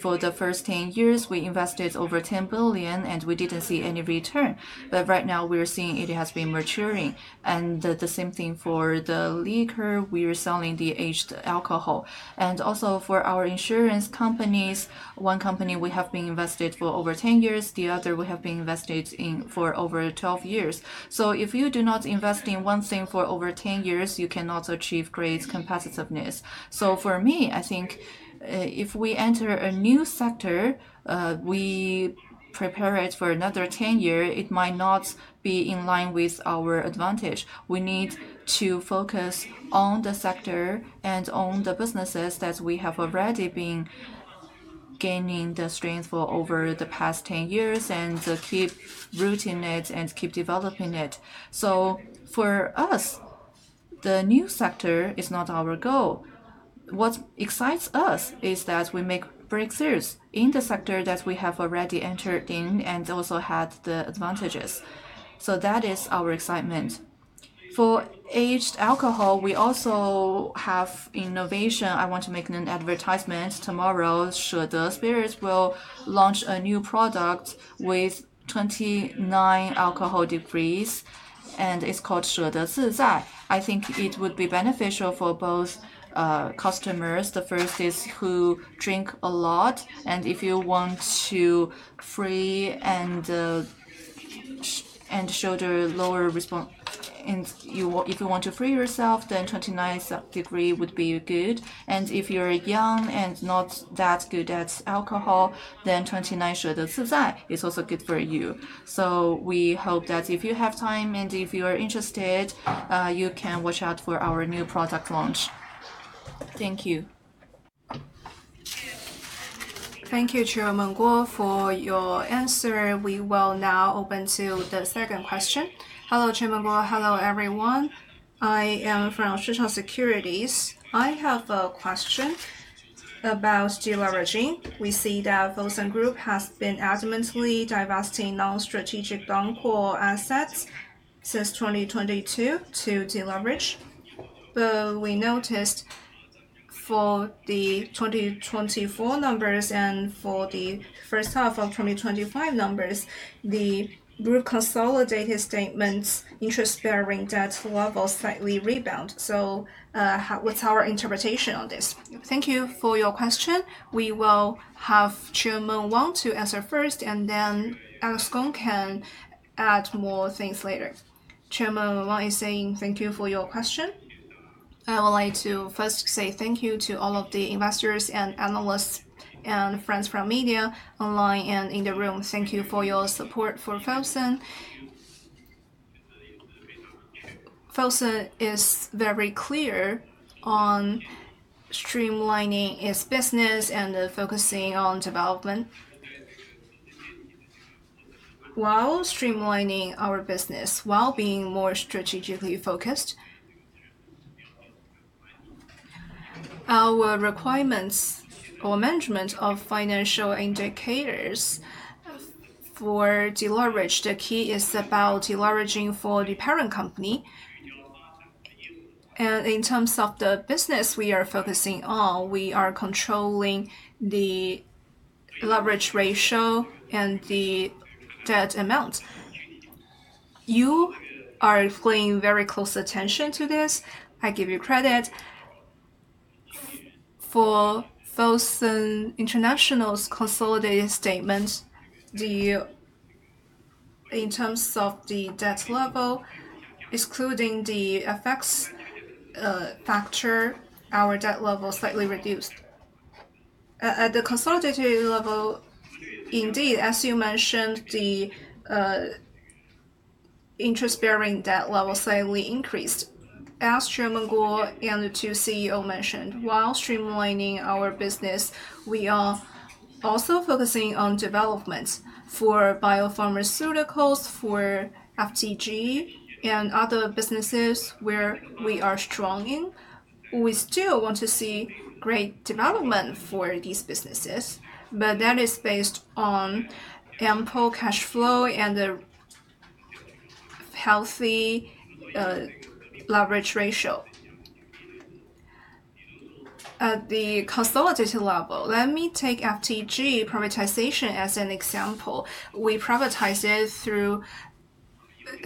For the first 10 years, we invested over $10 billion, and we didn't see any return. Right now, we're seeing it has been maturing. The same thing for the liquor, we're selling the aged alcohol. Also for our insurance companies, one company we have been invested for over 10 years, the other we have been invested in for over 12 years. If you do not invest in one thing for over 10 years, you cannot achieve great competitiveness. For me, I think if we enter a new sector, we prepare it for another 10 years, it might not be in line with our advantage. We need to focus on the sector and on the businesses that we have already been gaining the strength for over the past 10 years and keep rooting it and keep developing it. For us, the new sector is not our goal. What excites us is that we make breakthroughs in the sector that we have already entered in and also had the advantages. That is our excitement. For aged alcohol, we also have innovation. I want to make an advertisement tomorrow. Shede Spirits will launch a new product with 29 alcohol degrees, and it's called Shede Zizai. I think it would be beneficial for both, customers. The first is who drink a lot, and if you want to free and show the lower response, and if you want to free yourself, then 29-degree would be good. If you're young and not that good at alcohol, then 29 Shede Zizai. is also good for you. We hope that if you have time and if you are interested, you can watch out for our new product launch. Thank you. Thank you, Chairman Guo, for your answer. We will now open to the second question. Hello, Chairman Guo. Hello, everyone. I am from Social Securities. I have a question about deleveraging. We see that Fosun International has been adamantly divesting non-strategic assets since 2022 to deleverage. We noticed for the 2024 numbers and for the first half of 2025 numbers, the group consolidated statements, interest-bearing debt levels slightly rebound. What's our interpretation on this? Thank you for your question. We will have Chairman Wang Qunbin answer first, and then Gong Ping can add more things later. Chairman Wang Qunbin is saying thank you for your question. I would like to first say thank you to all of the investors and analysts and friends from media, online, and in the room. Thank you for your support for Fosun. Fosun is very clear on streamlining its business and focusing on development while streamlining our business while being more strategically focused. Our requirements or management of financial indicators for deleverage, the key is about deleveraging for the parent company. In terms of the business we are focusing on, we are controlling the leverage ratio and the debt amount. You are paying very close attention to this. I give you credit. For Fosun International's consolidated statement, in terms of the debt level, excluding the effects factor, our debt level is slightly reduced. At the consolidated level, indeed, as you mentioned, the interest-bearing debt level slightly increased. As Chairman Guo and the two CEOs mentioned, while streamlining our business, we are also focusing on development for biopharmaceuticals, for FTG, and other businesses where we are strong in. We still want to see great development for these businesses. That is based on ample cash flow and a healthy leverage ratio. At the consolidated level, let me take FTG privatization as an example. We privatized it through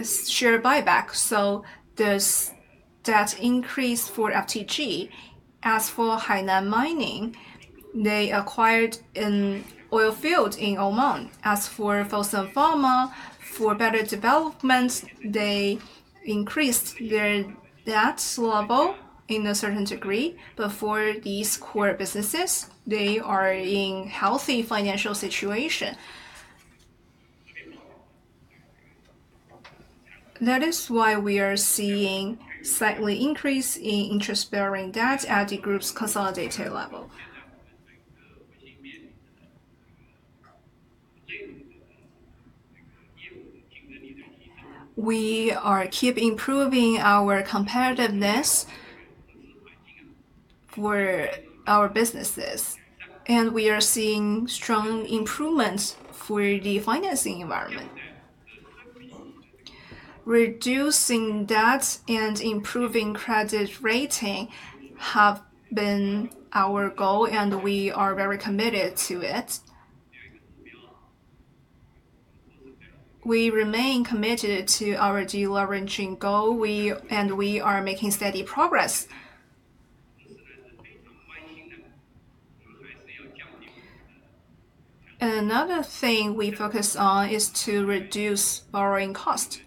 share buyback. There is that increase for FTG. As for Hainan Mining, they acquired an oil field in Oman. As for Fosun Pharma, for better development, they increased their debt level to a certain degree. For these core businesses, they are in a healthy financial situation. That is why we are seeing a slight increase in interest-bearing debt at the group's consolidated level. We keep improving our competitiveness for our businesses, and we are seeing strong improvements for the financing environment. Reducing debt and improving credit rating have been our goal, and we are very committed to it. We remain committed to our deleveraging goal, and we are making steady progress. Another thing we focus on is to reduce borrowing cost.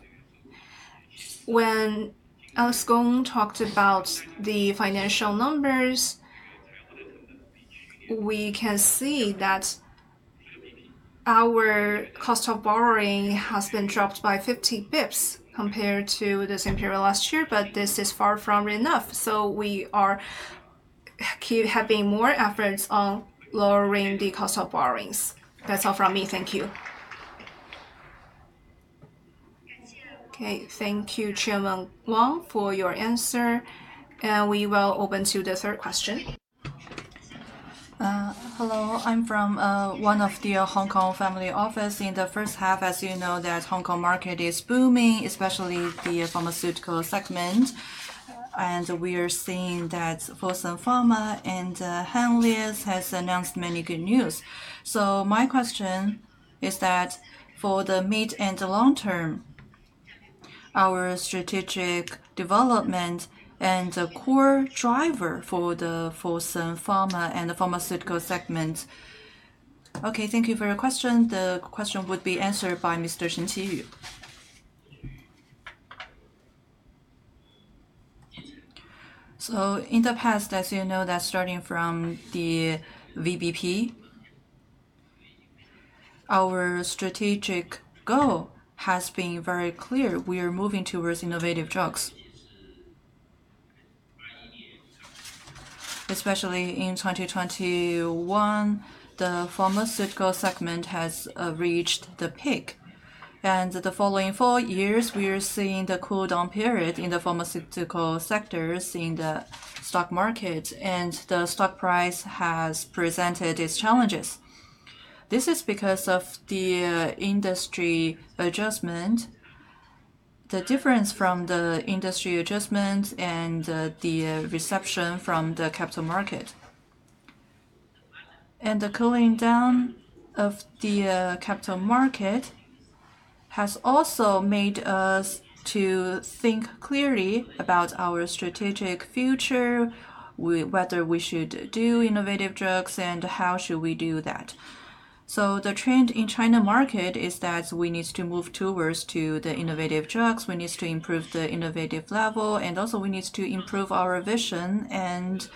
When Alice Gong talked about the financial numbers, we can see that our cost of borrowing has been dropped by 50 bps compared to the same period last year, but this is far from enough. We are keeping having more efforts on lowering the cost of borrowings. That's all from me. Thank you. Okay. Thank you, Chairman Wang, for your answer. We will open to the third question. Hello. I'm from one of the Hong Kong family offices. In the first half, as you know, the Hong Kong market is booming, especially the pharmaceutical segment. We are seeing that Fosun Pharma and Henlius have announced many good news. My question is that for the mid and long term, our strategic development and the core driver for the Fosun Pharma and the pharmaceutical segment. Okay. Thank you for your question. The question would be answered by Mr. Chen Qiyu. In the past, as you know, starting from the VBP, our strategic goal has been very clear. We are moving towards innovative drugs. Especially in 2021, the pharmaceutical segment has reached the peak. In the following four years, we are seeing the cooldown period in the pharmaceutical sectors in the stock market, and the stock price has presented its challenges. This is because of the industry adjustment, the difference from the industry adjustment, and the reception from the capital market. The cooling down of the capital market has also made us think clearly about our strategic future, whether we should do innovative drugs and how should we do that. The trend in the China market is that we need to move towards the innovative drugs. We need to improve the innovative level, and also we need to improve our vision and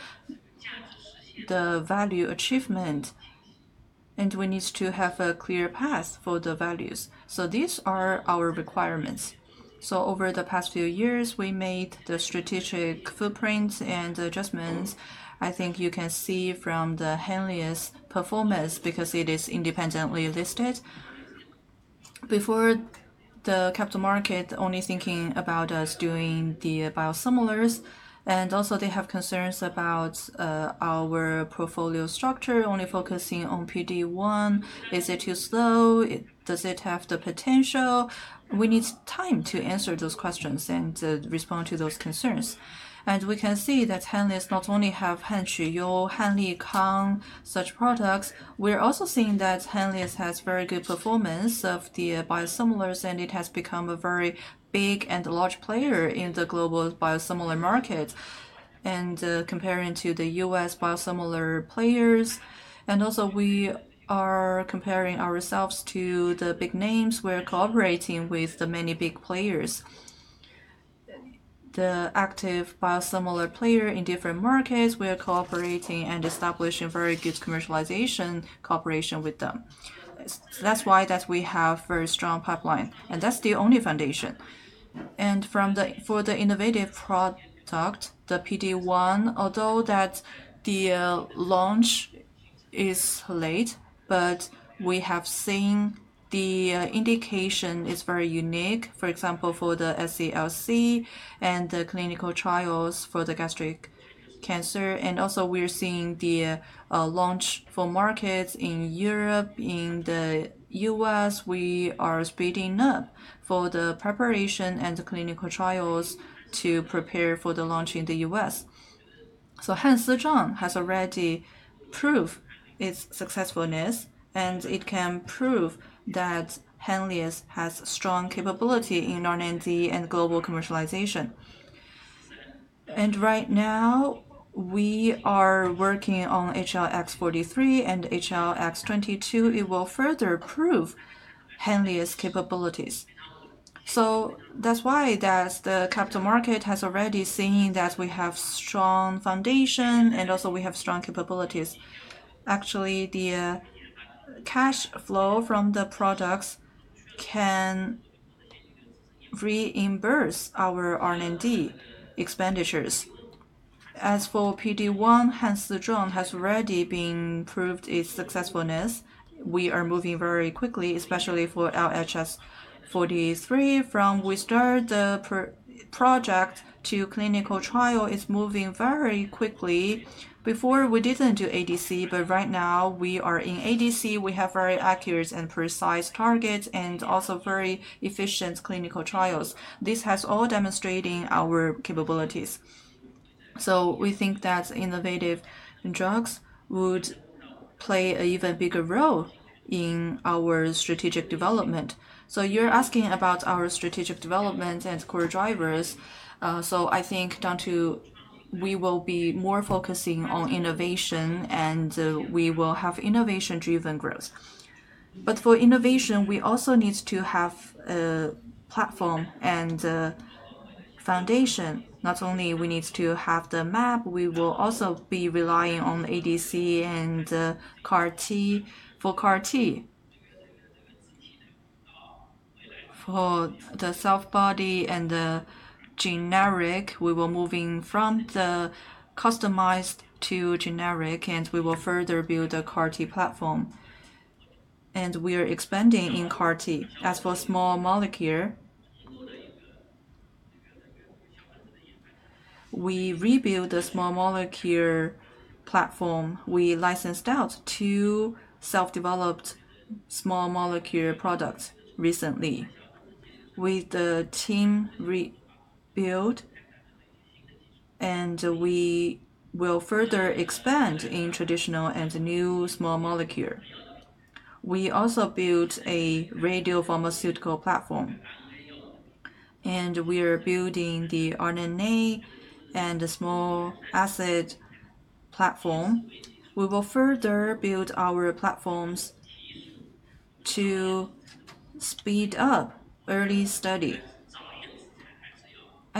the value achievement. We need to have a clear path for the values. These are our requirements. Over the past few years, we made the strategic footprints and adjustments. I think you can see from the Henlius performance because it is independently listed. Before, the capital market was only thinking about us doing the biosimilars, and also they have concerns about our portfolio structure, only focusing on PD1. Is it too slow? Does it have the potential? We need time to answer those questions and respond to those concerns. We can see that Henlius not only has HANSIZHUANG, [Henliekang], such products. We are also seeing that Henlius has very good performance of the biosimilars, and it has become a very big and large player in the global biosimilar market. Comparing to the U.S. biosimilar players, and also we are comparing ourselves to the big names. We are cooperating with many big players. The active biosimilar players in different markets, we are cooperating and establishing very good commercialization cooperation with them. That is why we have a very strong pipeline. That is the only foundation. For the innovative product, the PD1, although the launch is late, we have seen the indication is very unique. For example, for the SCLC and the clinical trials for the gastric cancer. We are seeing the launch for markets in Europe. In the U.S., we are speeding up for the preparation and clinical trials to prepare for the launch in the U.S. HANSIZHUANG has already proved its successfulness, and it can prove that Henlius has strong capability in R&D and global commercialization. Right now, we are working on HLX43 and HLX22. It will further prove Henlius' capabilities. That's why the capital market has already seen that we have a strong foundation, and also we have strong capabilities. Actually, the cash flow from the products can reimburse our R&D expenditures. As for PD1, Serplulimab has already proved its successfulness. We are moving very quickly, especially for HLX43. From when we start the project to clinical trial, it's moving very quickly. Before, we didn't do ADC, but right now we are in ADC. We have very accurate and precise targets and also very efficient clinical trials. This has all demonstrated our capabilities. We think that innovative drugs would play an even bigger role in our strategic development. You're asking about our strategic development and core drivers. I think down to we will be more focusing on innovation, and we will have innovation-driven growth. For innovation, we also need to have a platform and foundation. Not only do we need to have the map, we will also be relying on ADC and CAR-T. For CAR-T, for the cell body and the generic, we were moving from the customized to generic, and we will further build the CAR-T platform. We are expanding in CAR-T. As for small molecule, we rebuilt the small molecule platform. We licensed out two self-developed small molecule products recently. With the team rebuilt, we will further expand in traditional and new small molecule. We also built a radiopharmaceutical platform. We are building the RNA and the small acid platform. We will further build our platforms to speed up early study.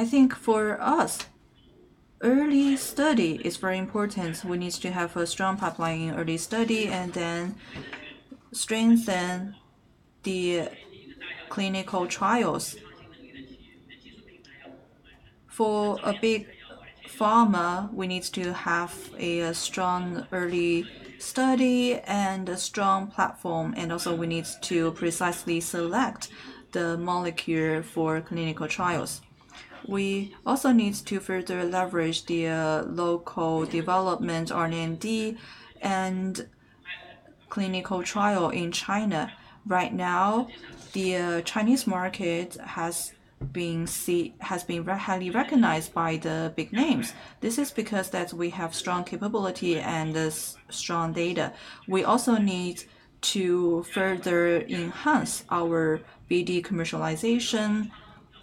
I think for us, early study is very important. We need to have a strong pipeline in early study and then strengthen the clinical trials. For a big pharma, we need to have a strong early study and a strong platform. Also, we need to precisely select the molecule for clinical trials. We also need to further leverage the local development R&D and clinical trial in China. Right now, the Chinese market has been highly recognized by the big names. This is because we have strong capability and strong data. We also need to further enhance our BD commercialization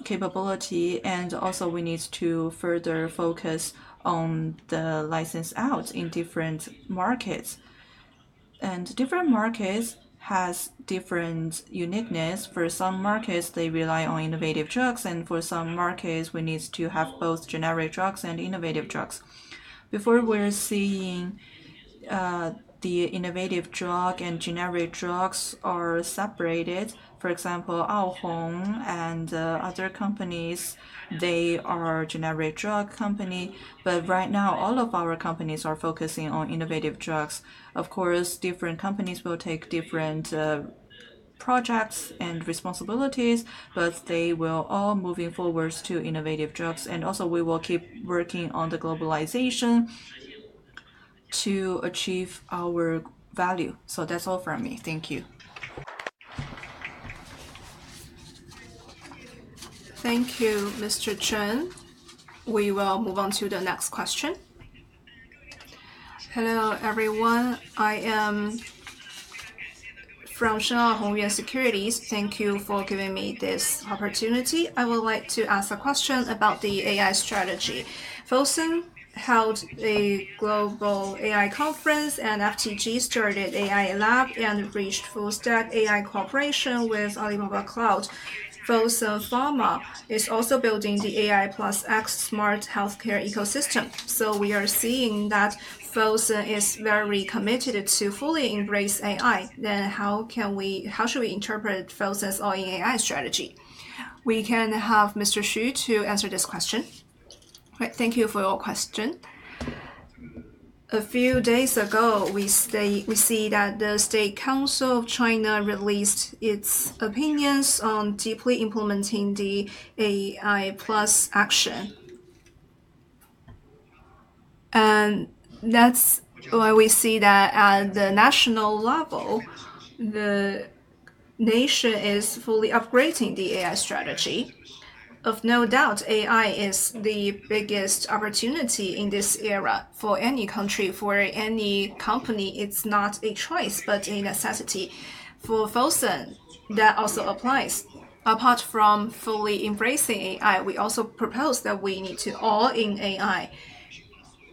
capability, and also we need to further focus on the license out in different markets. Different markets have different uniqueness. For some markets, they rely on innovative drugs, and for some markets, we need to have both generic drugs and innovative drugs. Before, we're seeing the innovative drug and generic drugs are separated. For example, Our Home and other companies, they are a generic drug company. Right now, all of our companies are focusing on innovative drugs. Of course, different companies will take different projects and responsibilities, but they will all move forward to innovative drugs. We will keep working on the globalization to achieve our value. That's all from me. Thank you. Thank you, Mr. Chen. We will move on to the next question. Hello, everyone. I am from Shenwan Hongyuan Securities. Thank you for giving me this opportunity. I would like to ask a question about the AI strategy. Fosun held a global AI conference, and FTG started AI Lab and reached full-stack AI cooperation with Alibaba Cloud. Fosun Pharma is also building the AI+X smart healthcare ecosystem. We are seeing that Fosun is very committed to fully embrace AI. How can we, how should we interpret Fosun's own AI strategy? We can have Mr. Xu Xiaoliang to answer this question. Thank you for your question. A few days ago, we see that the State Council of China released its opinions on deeply implementing the AI+ action. That's why we see that at the national level, the nation is fully upgrading the AI strategy. Of no doubt, AI is the biggest opportunity in this era for any country, for any company. It's not a choice, but a necessity. For Fosun International, that also applies. Apart from fully embracing AI, we also propose that we need to all in AI.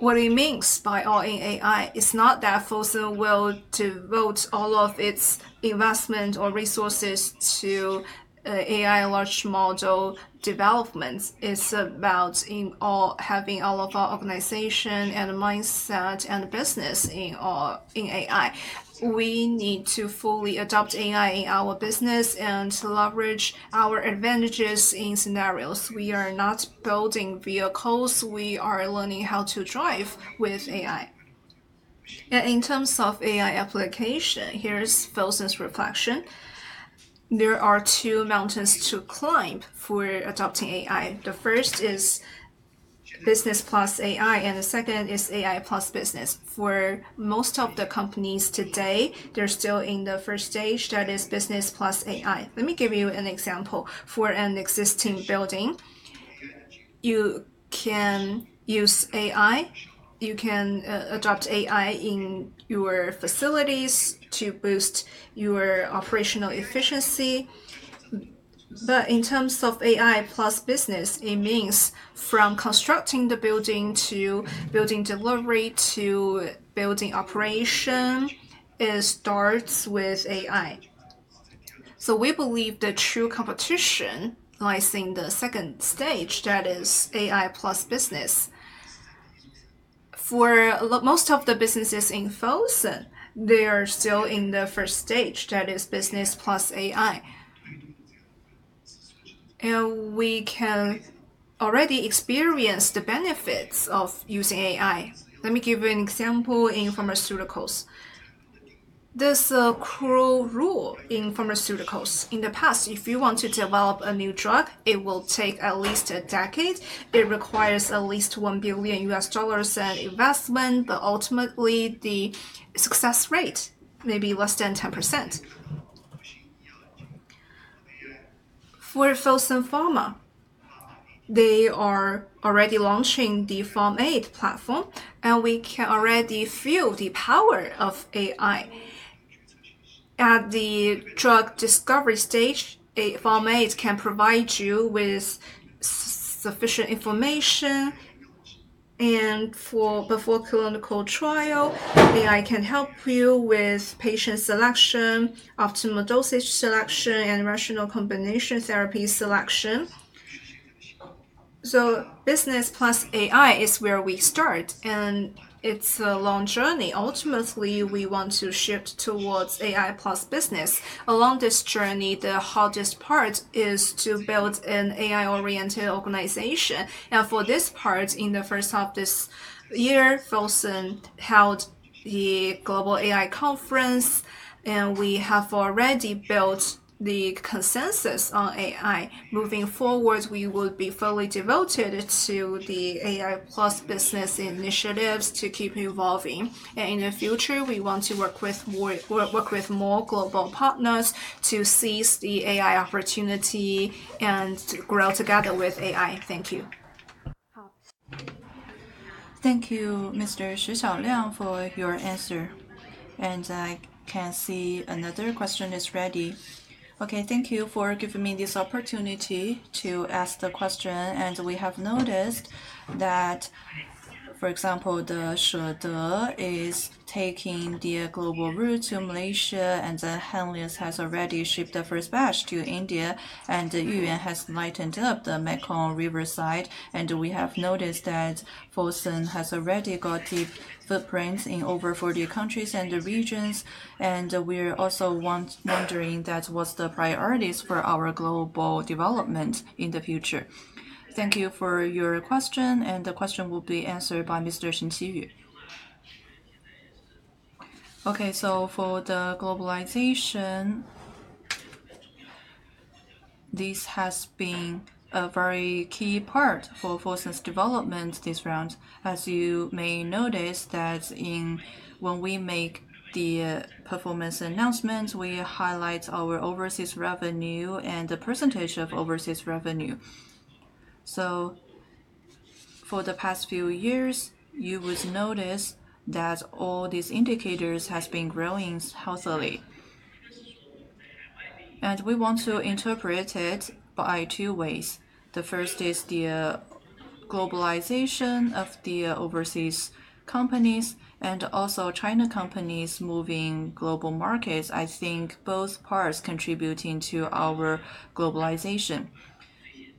What he means by all in AI is not that Fosun International will devote all of its investment or resources to AI large module development. It's about having all of our organization and mindset and business in AI. We need to fully adopt AI in our business and leverage our advantages in scenarios. We are not building vehicles. We are learning how to drive with AI. In terms of AI application, here's Fosun International's reflection. There are two mountains to climb for adopting AI. The first is business plus AI, and the second is AI plus business. For most of the companies today, they're still in the first stage that is business plus AI. Let me give you an example. For an existing building, you can use AI. You can adopt AI in your facilities to boost your operational efficiency. In terms of AI plus business, it means from constructing the building to building delivery to building operation, it starts with AI. We believe the true competition lies in the second stage that is AI plus business. For most of the businesses in Fosun International, they are still in the first stage that is business plus AI. We can already experience the benefits of using AI. Let me give you an example in pharmaceuticals. There's a cruel rule in pharmaceuticals. In the past, if you want to develop a new drug, it will take at least a decade. It requires at least $1 billion in investment. Ultimately, the success rate may be less than 10%. For Fosun Pharma, they are already launching the PharmAID platform, and we can already feel the power of AI. At the drug discovery stage, PharmAID can provide you with sufficient information. Before clinical trial, AI can help you with patient selection, optimal dosage selection, and rational combination therapy selection. Business plus AI is where we start, and it's a long journey. Ultimately, we want to shift towards AI plus business. Along this journey, the hardest part is to build an AI-oriented organization. For this part, in the first half of this year, Fosun International held the Global AI Conference, and we have already built the consensus on AI. Moving forward, we will be fully devoted to the AI plus business initiatives to keep evolving. In the future, we want to work with more global partners to seize the AI opportunity and grow together with AI. Thank you. Thank you, Mr. Xu Xiaoliang, for your answer. I can see another question is ready. Okay. Thank you for giving me this opportunity to ask the question. We have noticed that, for example, the SureDe is taking the global route to Malaysia, and Henlius has already shipped the first batch to India, and the UN has lightened up the Mekong riverside. We have noticed that Fosun has already got deep footprints in over 40 countries and regions. We're also wondering what the priorities for our global development in the future are. Thank you for your question. The question will be answered by Mr. Chen Qiyu. Okay. For the globalization, this has been a very key part for Fosun's development this round. As you may notice, when we make the performance announcements, we highlight our overseas revenue and the % of overseas revenue. For the past few years, you would notice that all these indicators have been growing healthily. We want to interpret it by two ways. The first is the globalization of the overseas companies and also China companies moving global markets. I think both parts contributing to our globalization.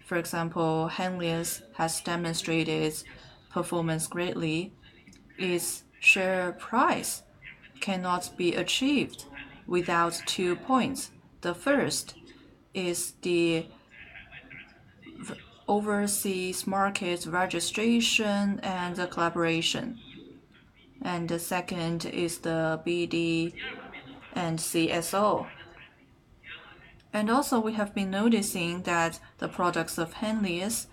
For example, Henlius has demonstrated performance greatly. Its share price cannot be achieved without two points. The first is the overseas markets registration and collaboration. The second is the BD and CSO. We have been noticing that the products of Henlius,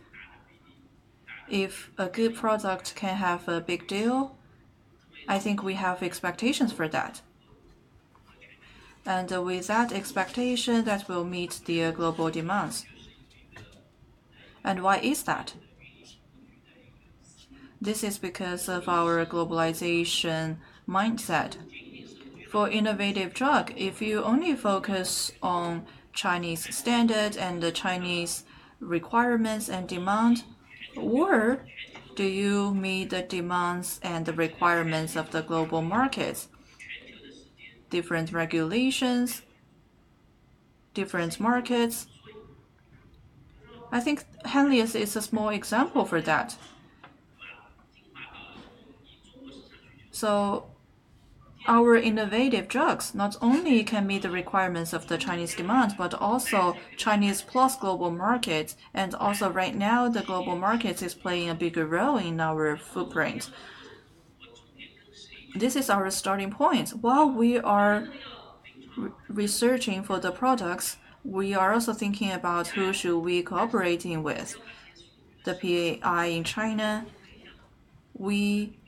if a good product can have a big deal, I think we have expectations for that. With that expectation, that will meet the global demands. Why is that? This is because of our globalization mindset. For innovative drug, if you only focus on Chinese standards and the Chinese requirements and demand, or do you meet the demands and the requirements of the global markets, different regulations, different markets? I think Henlius is a small example for that. Our innovative drugs not only can meet the requirements of the Chinese demands, but also Chinese plus global markets. Also right now, the global markets are playing a bigger role in our footprint. This is our starting point. While we are researching for the products, we are also thinking about who should we cooperate with. The PAI in China, we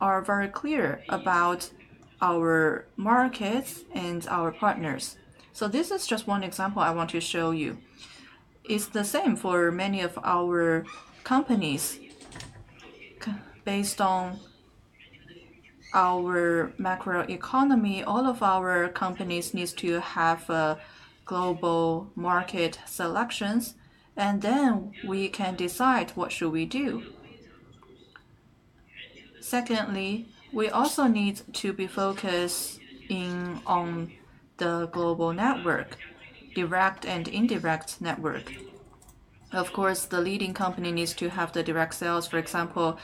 are very clear about our markets and our partners. This is just one example I want to show you. It's the same for many of our companies. Based on our macro economy, all of our companies need to have global market selections, and then we can decide what should we do. Secondly, we also need to be focused on the global network, direct and indirect network. Of course, the leading company needs to have the direct sales, for example,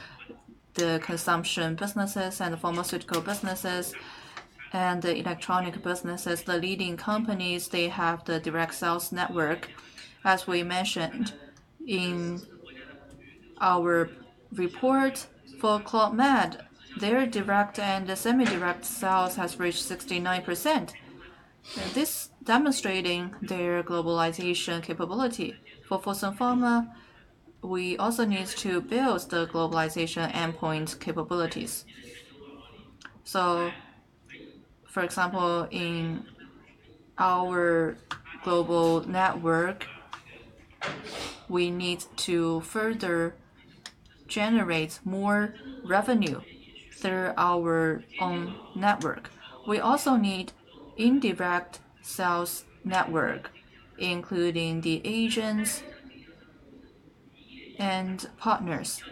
the consumption businesses and the pharmaceutical businesses and the electronic businesses. The leading companies, they have the direct sales network. As we mentioned in our report for Club Med, their direct and semi-direct sales have reached 69%. This is demonstrating their globalization capability. For Fosun Pharma, we also need to build the globalization endpoints capabilities. For example, in our global network, we need to further generate more revenue through our own network. We also need indirect sales network, including the agents and partners.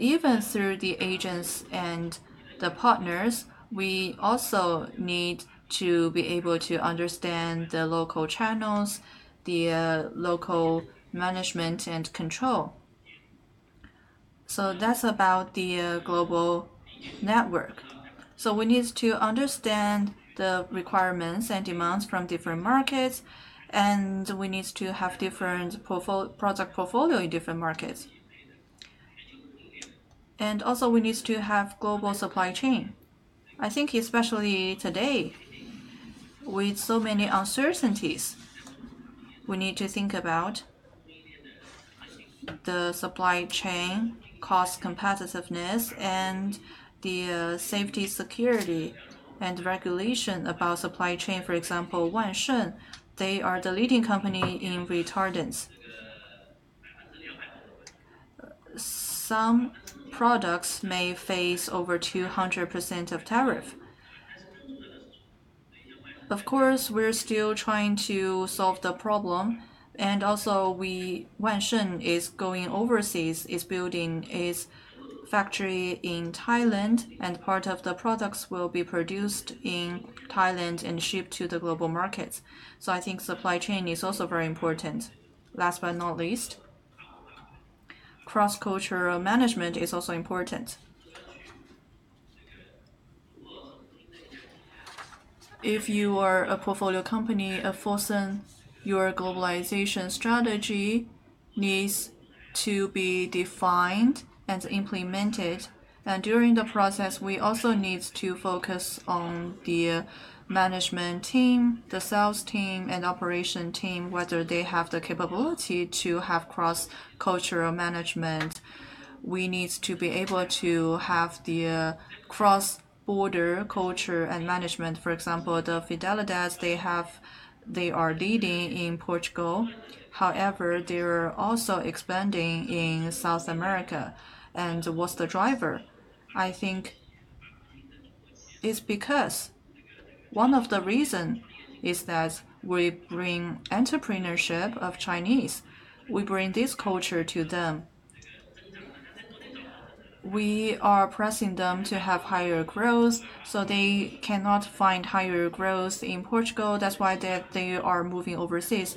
Even through the agents and the partners, we also need to be able to understand the local channels, the local management and control. That's about the global network. We need to understand the requirements and demands from different markets, and we need to have different product portfolios in different markets. We also need to have global supply chain. I think especially today, with so many uncertainties, we need to think about the supply chain cost competitiveness and the safety, security, and regulation about supply chain. For example, Wansheng, they are the leading company in retardants. Some products may face over 200% of tariff. Of course, we're still trying to solve the problem. Wansheng is going overseas, is building its factory in Thailand, and part of the products will be produced in Thailand and shipped to the global markets. I think supply chain is also very important. Last but not least, cross-cultural management is also important. If you are a portfolio company of Fosun, your globalization strategy needs to be defined and implemented. During the process, we also need to focus on the management team, the sales team, and operation team, whether they have the capability to have cross-cultural management. We need to be able to have the cross-border culture and management. For example, Fidelidade, they are leading in Portugal. However, they're also expanding in South America. What's the driver? I think it's because one of the reasons is that we bring entrepreneurship of Chinese. We bring this culture to them. We are pressing them to have higher growth. They cannot find higher growth in Portugal. That's why they are moving overseas.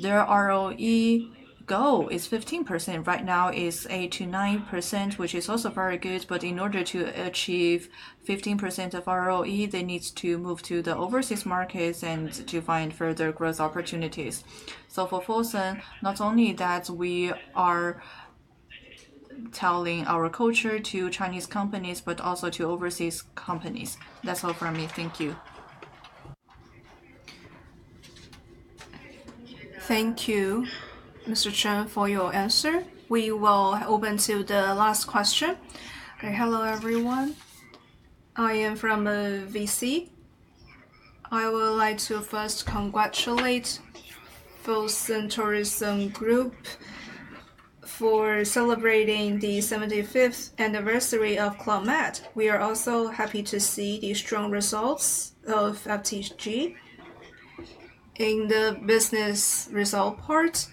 Their ROE goal is 15%. Right now, it's 8.9%, which is also very good. In order to achieve 15% of ROE, they need to move to the overseas markets and to find further growth opportunities. For Fosun, not only that we are telling our culture to Chinese companies, but also to overseas companies. That's all for me. Thank you. Thank you, Mr. Chen, for your answer. We will open to the last question. Hello, everyone. I am from VC. I would like to first congratulate Fosun Tourism Group for celebrating the 75th anniversary of Club Med. We are also happy to see the strong results of FTG. In the business result part,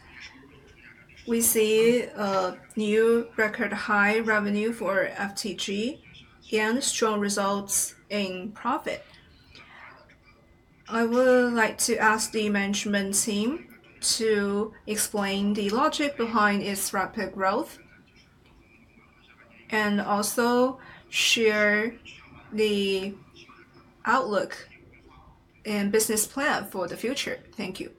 we see a new record high revenue for FTG and strong results in profit. I would like to ask the management team to explain the logic behind its rapid growth and also share the outlook and business plan for the future. Thank you.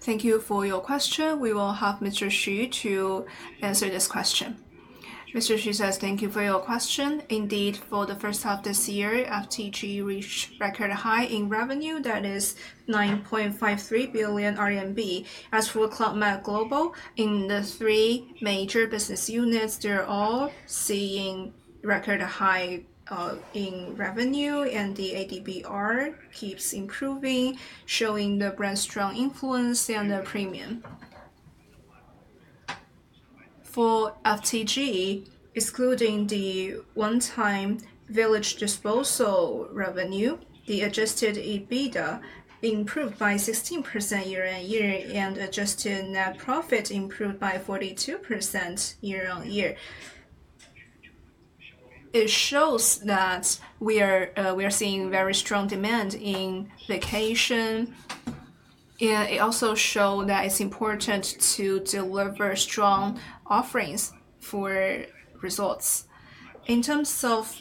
Thank you for your question. We will have Mr. Xu Xiaoliang answer this question. Mr. Xu says, thank you for your question. Indeed, for the first half this year, FTG reached record high in revenue. That is ¥9.53 billion. As for Club Med Global, in the three major business units, they're all seeing record high in revenue, and the ADR keeps improving, showing the brand's strong influence and the premium. For FTG, excluding the one-time village disposal revenue, the adjusted EBITDA improved by 16% year on year, and adjusted net profit improved by 42% year on year. It shows that we are seeing very strong demand in vacation. It also shows that it's important to deliver strong offerings for results. In terms of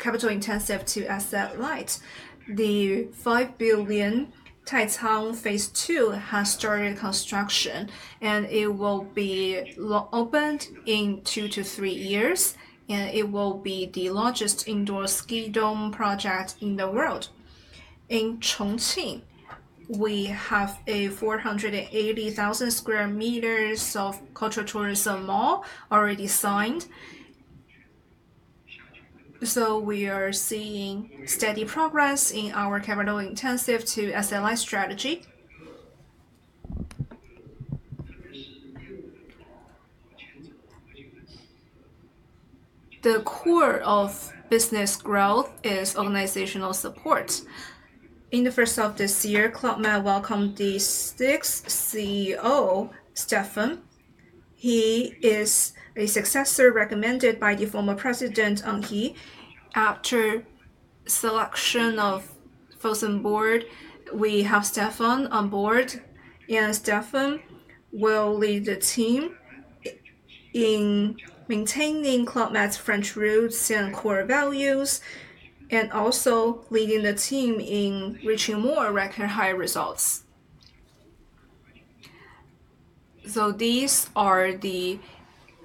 capital intensive to asset-light, the ¥5 billion Taicang Alps Resort Phase II project has started construction, and it will be opened in two to three years, and it will be the largest indoor ski dome project in the world. In Chongqing, we have 480,000 square meters of cultural tourism mall already signed. We are seeing steady progress in our capital intensive to asset-light strategy. The core of business growth is organizational support. In the first half of this year, Club Med welcomed the sixth CEO, Stephan. He is a successor recommended by the former president, Henri. After the selection of Fosun Board, we have Stephan on board, and Stephan will lead the team in maintaining Club Med's French roots and core values, and also leading the team in reaching more record high results. These are the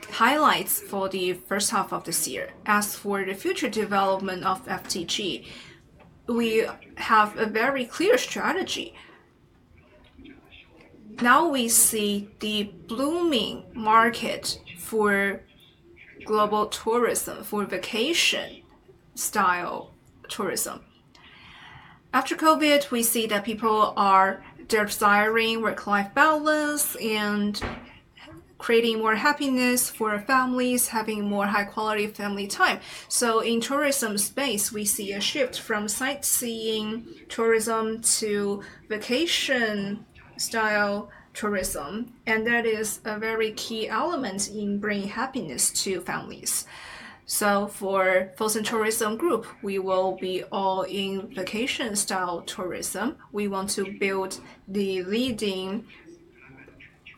highlights for the first half of this year. As for the future development of FTG, we have a very clear strategy. Now we see the blooming market for global tourism, for vacation-style tourism. After COVID, we see that people are desiring work-life balance and creating more happiness for families, having more high-quality family time. In the tourism space, we see a shift from sightseeing tourism to vacation-style tourism, and that is a very key element in bringing happiness to families. For Fosun Tourism Group, we will be all in vacation-style tourism. We want to build the leading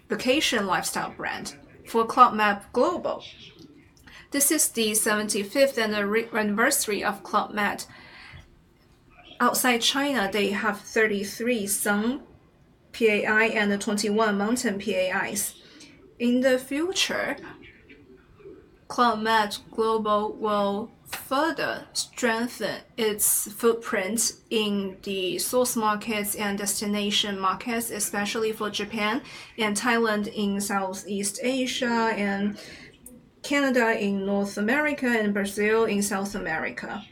vacation lifestyle brand for Club Med Global. This is the 75th anniversary of Club Med. Outside China, they have 33 Sun PAI and 21 Mountain PAIs. In the future, Club Med Global will further strengthen its footprint in the source markets and destination markets, especially for Japan and Thailand in Southeast Asia, and Canada in North America, and Brazil in South America.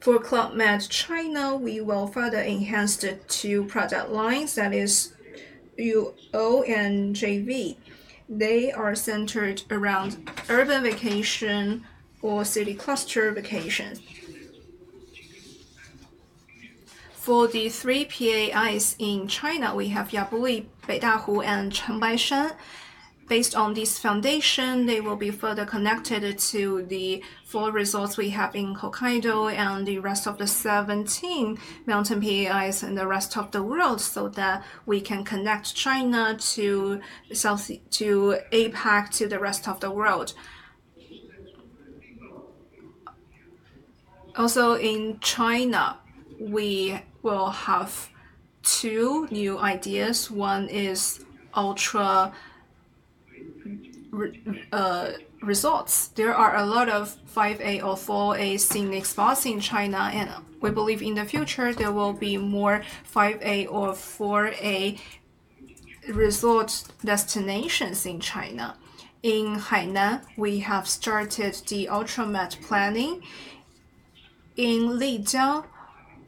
For Club Med China, we will further enhance the two product lines, that is Urban Oasis and Joyview. They are centered around urban vacation or city cluster vacation. For the three PAIs in China, we have Yabuli, Beidahu, and Changbaishan. Based on this foundation, they will be further connected to the four resorts we have in Hokkaido and the rest of the 17 Mountain PAIs in the rest of the world so that we can connect China to APAC, to the rest of the world. Also, in China, we will have two new ideas. One is ultra resorts. There are a lot of 5A or 4A scenic spots in China, and we believe in the future there will be more 5A or 4A resort destinations in China. In Hainan, we have started the ULTRAMED planning. In Lijiang,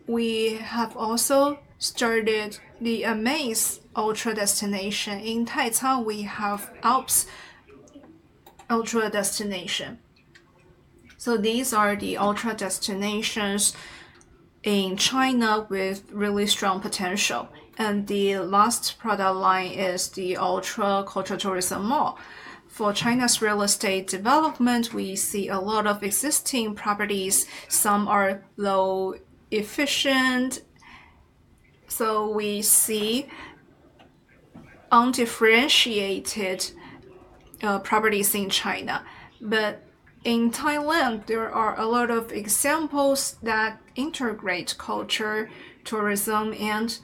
we have also started the Amaze Ultra destination. In Taicang, we have Alps Ultra destination. These are the ultra destinations in China with really strong potential. The last product line is the Ultra Cultural Tourism Mall. For China's real estate development, we see a lot of existing properties. Some are low efficient. We see undifferentiated properties in China. In Thailand, there are a lot of examples that integrate culture, tourism, and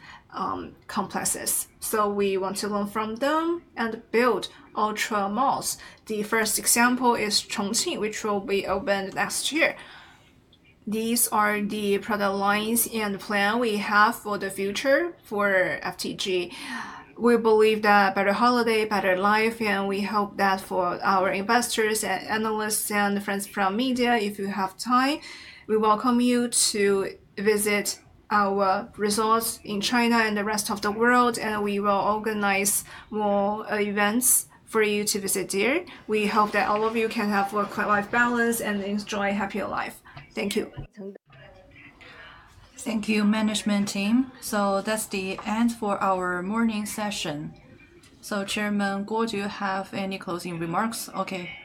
complexes. We want to learn from them and build ultra malls. The first example is Chongqing, which will be opened next year. These are the product lines and plans we have for the future for FTG. We believe that better holiday, better life, and we hope that for our investors, analysts, and friends from media, if you have time, we welcome you to visit our resorts in China and the rest of the world, and we will organize more events for you to visit there. We hope that all of you can have work-life balance and enjoy a happier life. Thank you. Thank you, management team. That's the end for our morning session. Chairman Guo, do you have any closing remarks?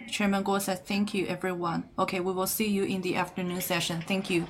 Chairman Guo says, thank you, everyone. We will see you in the afternoon session. Thank you.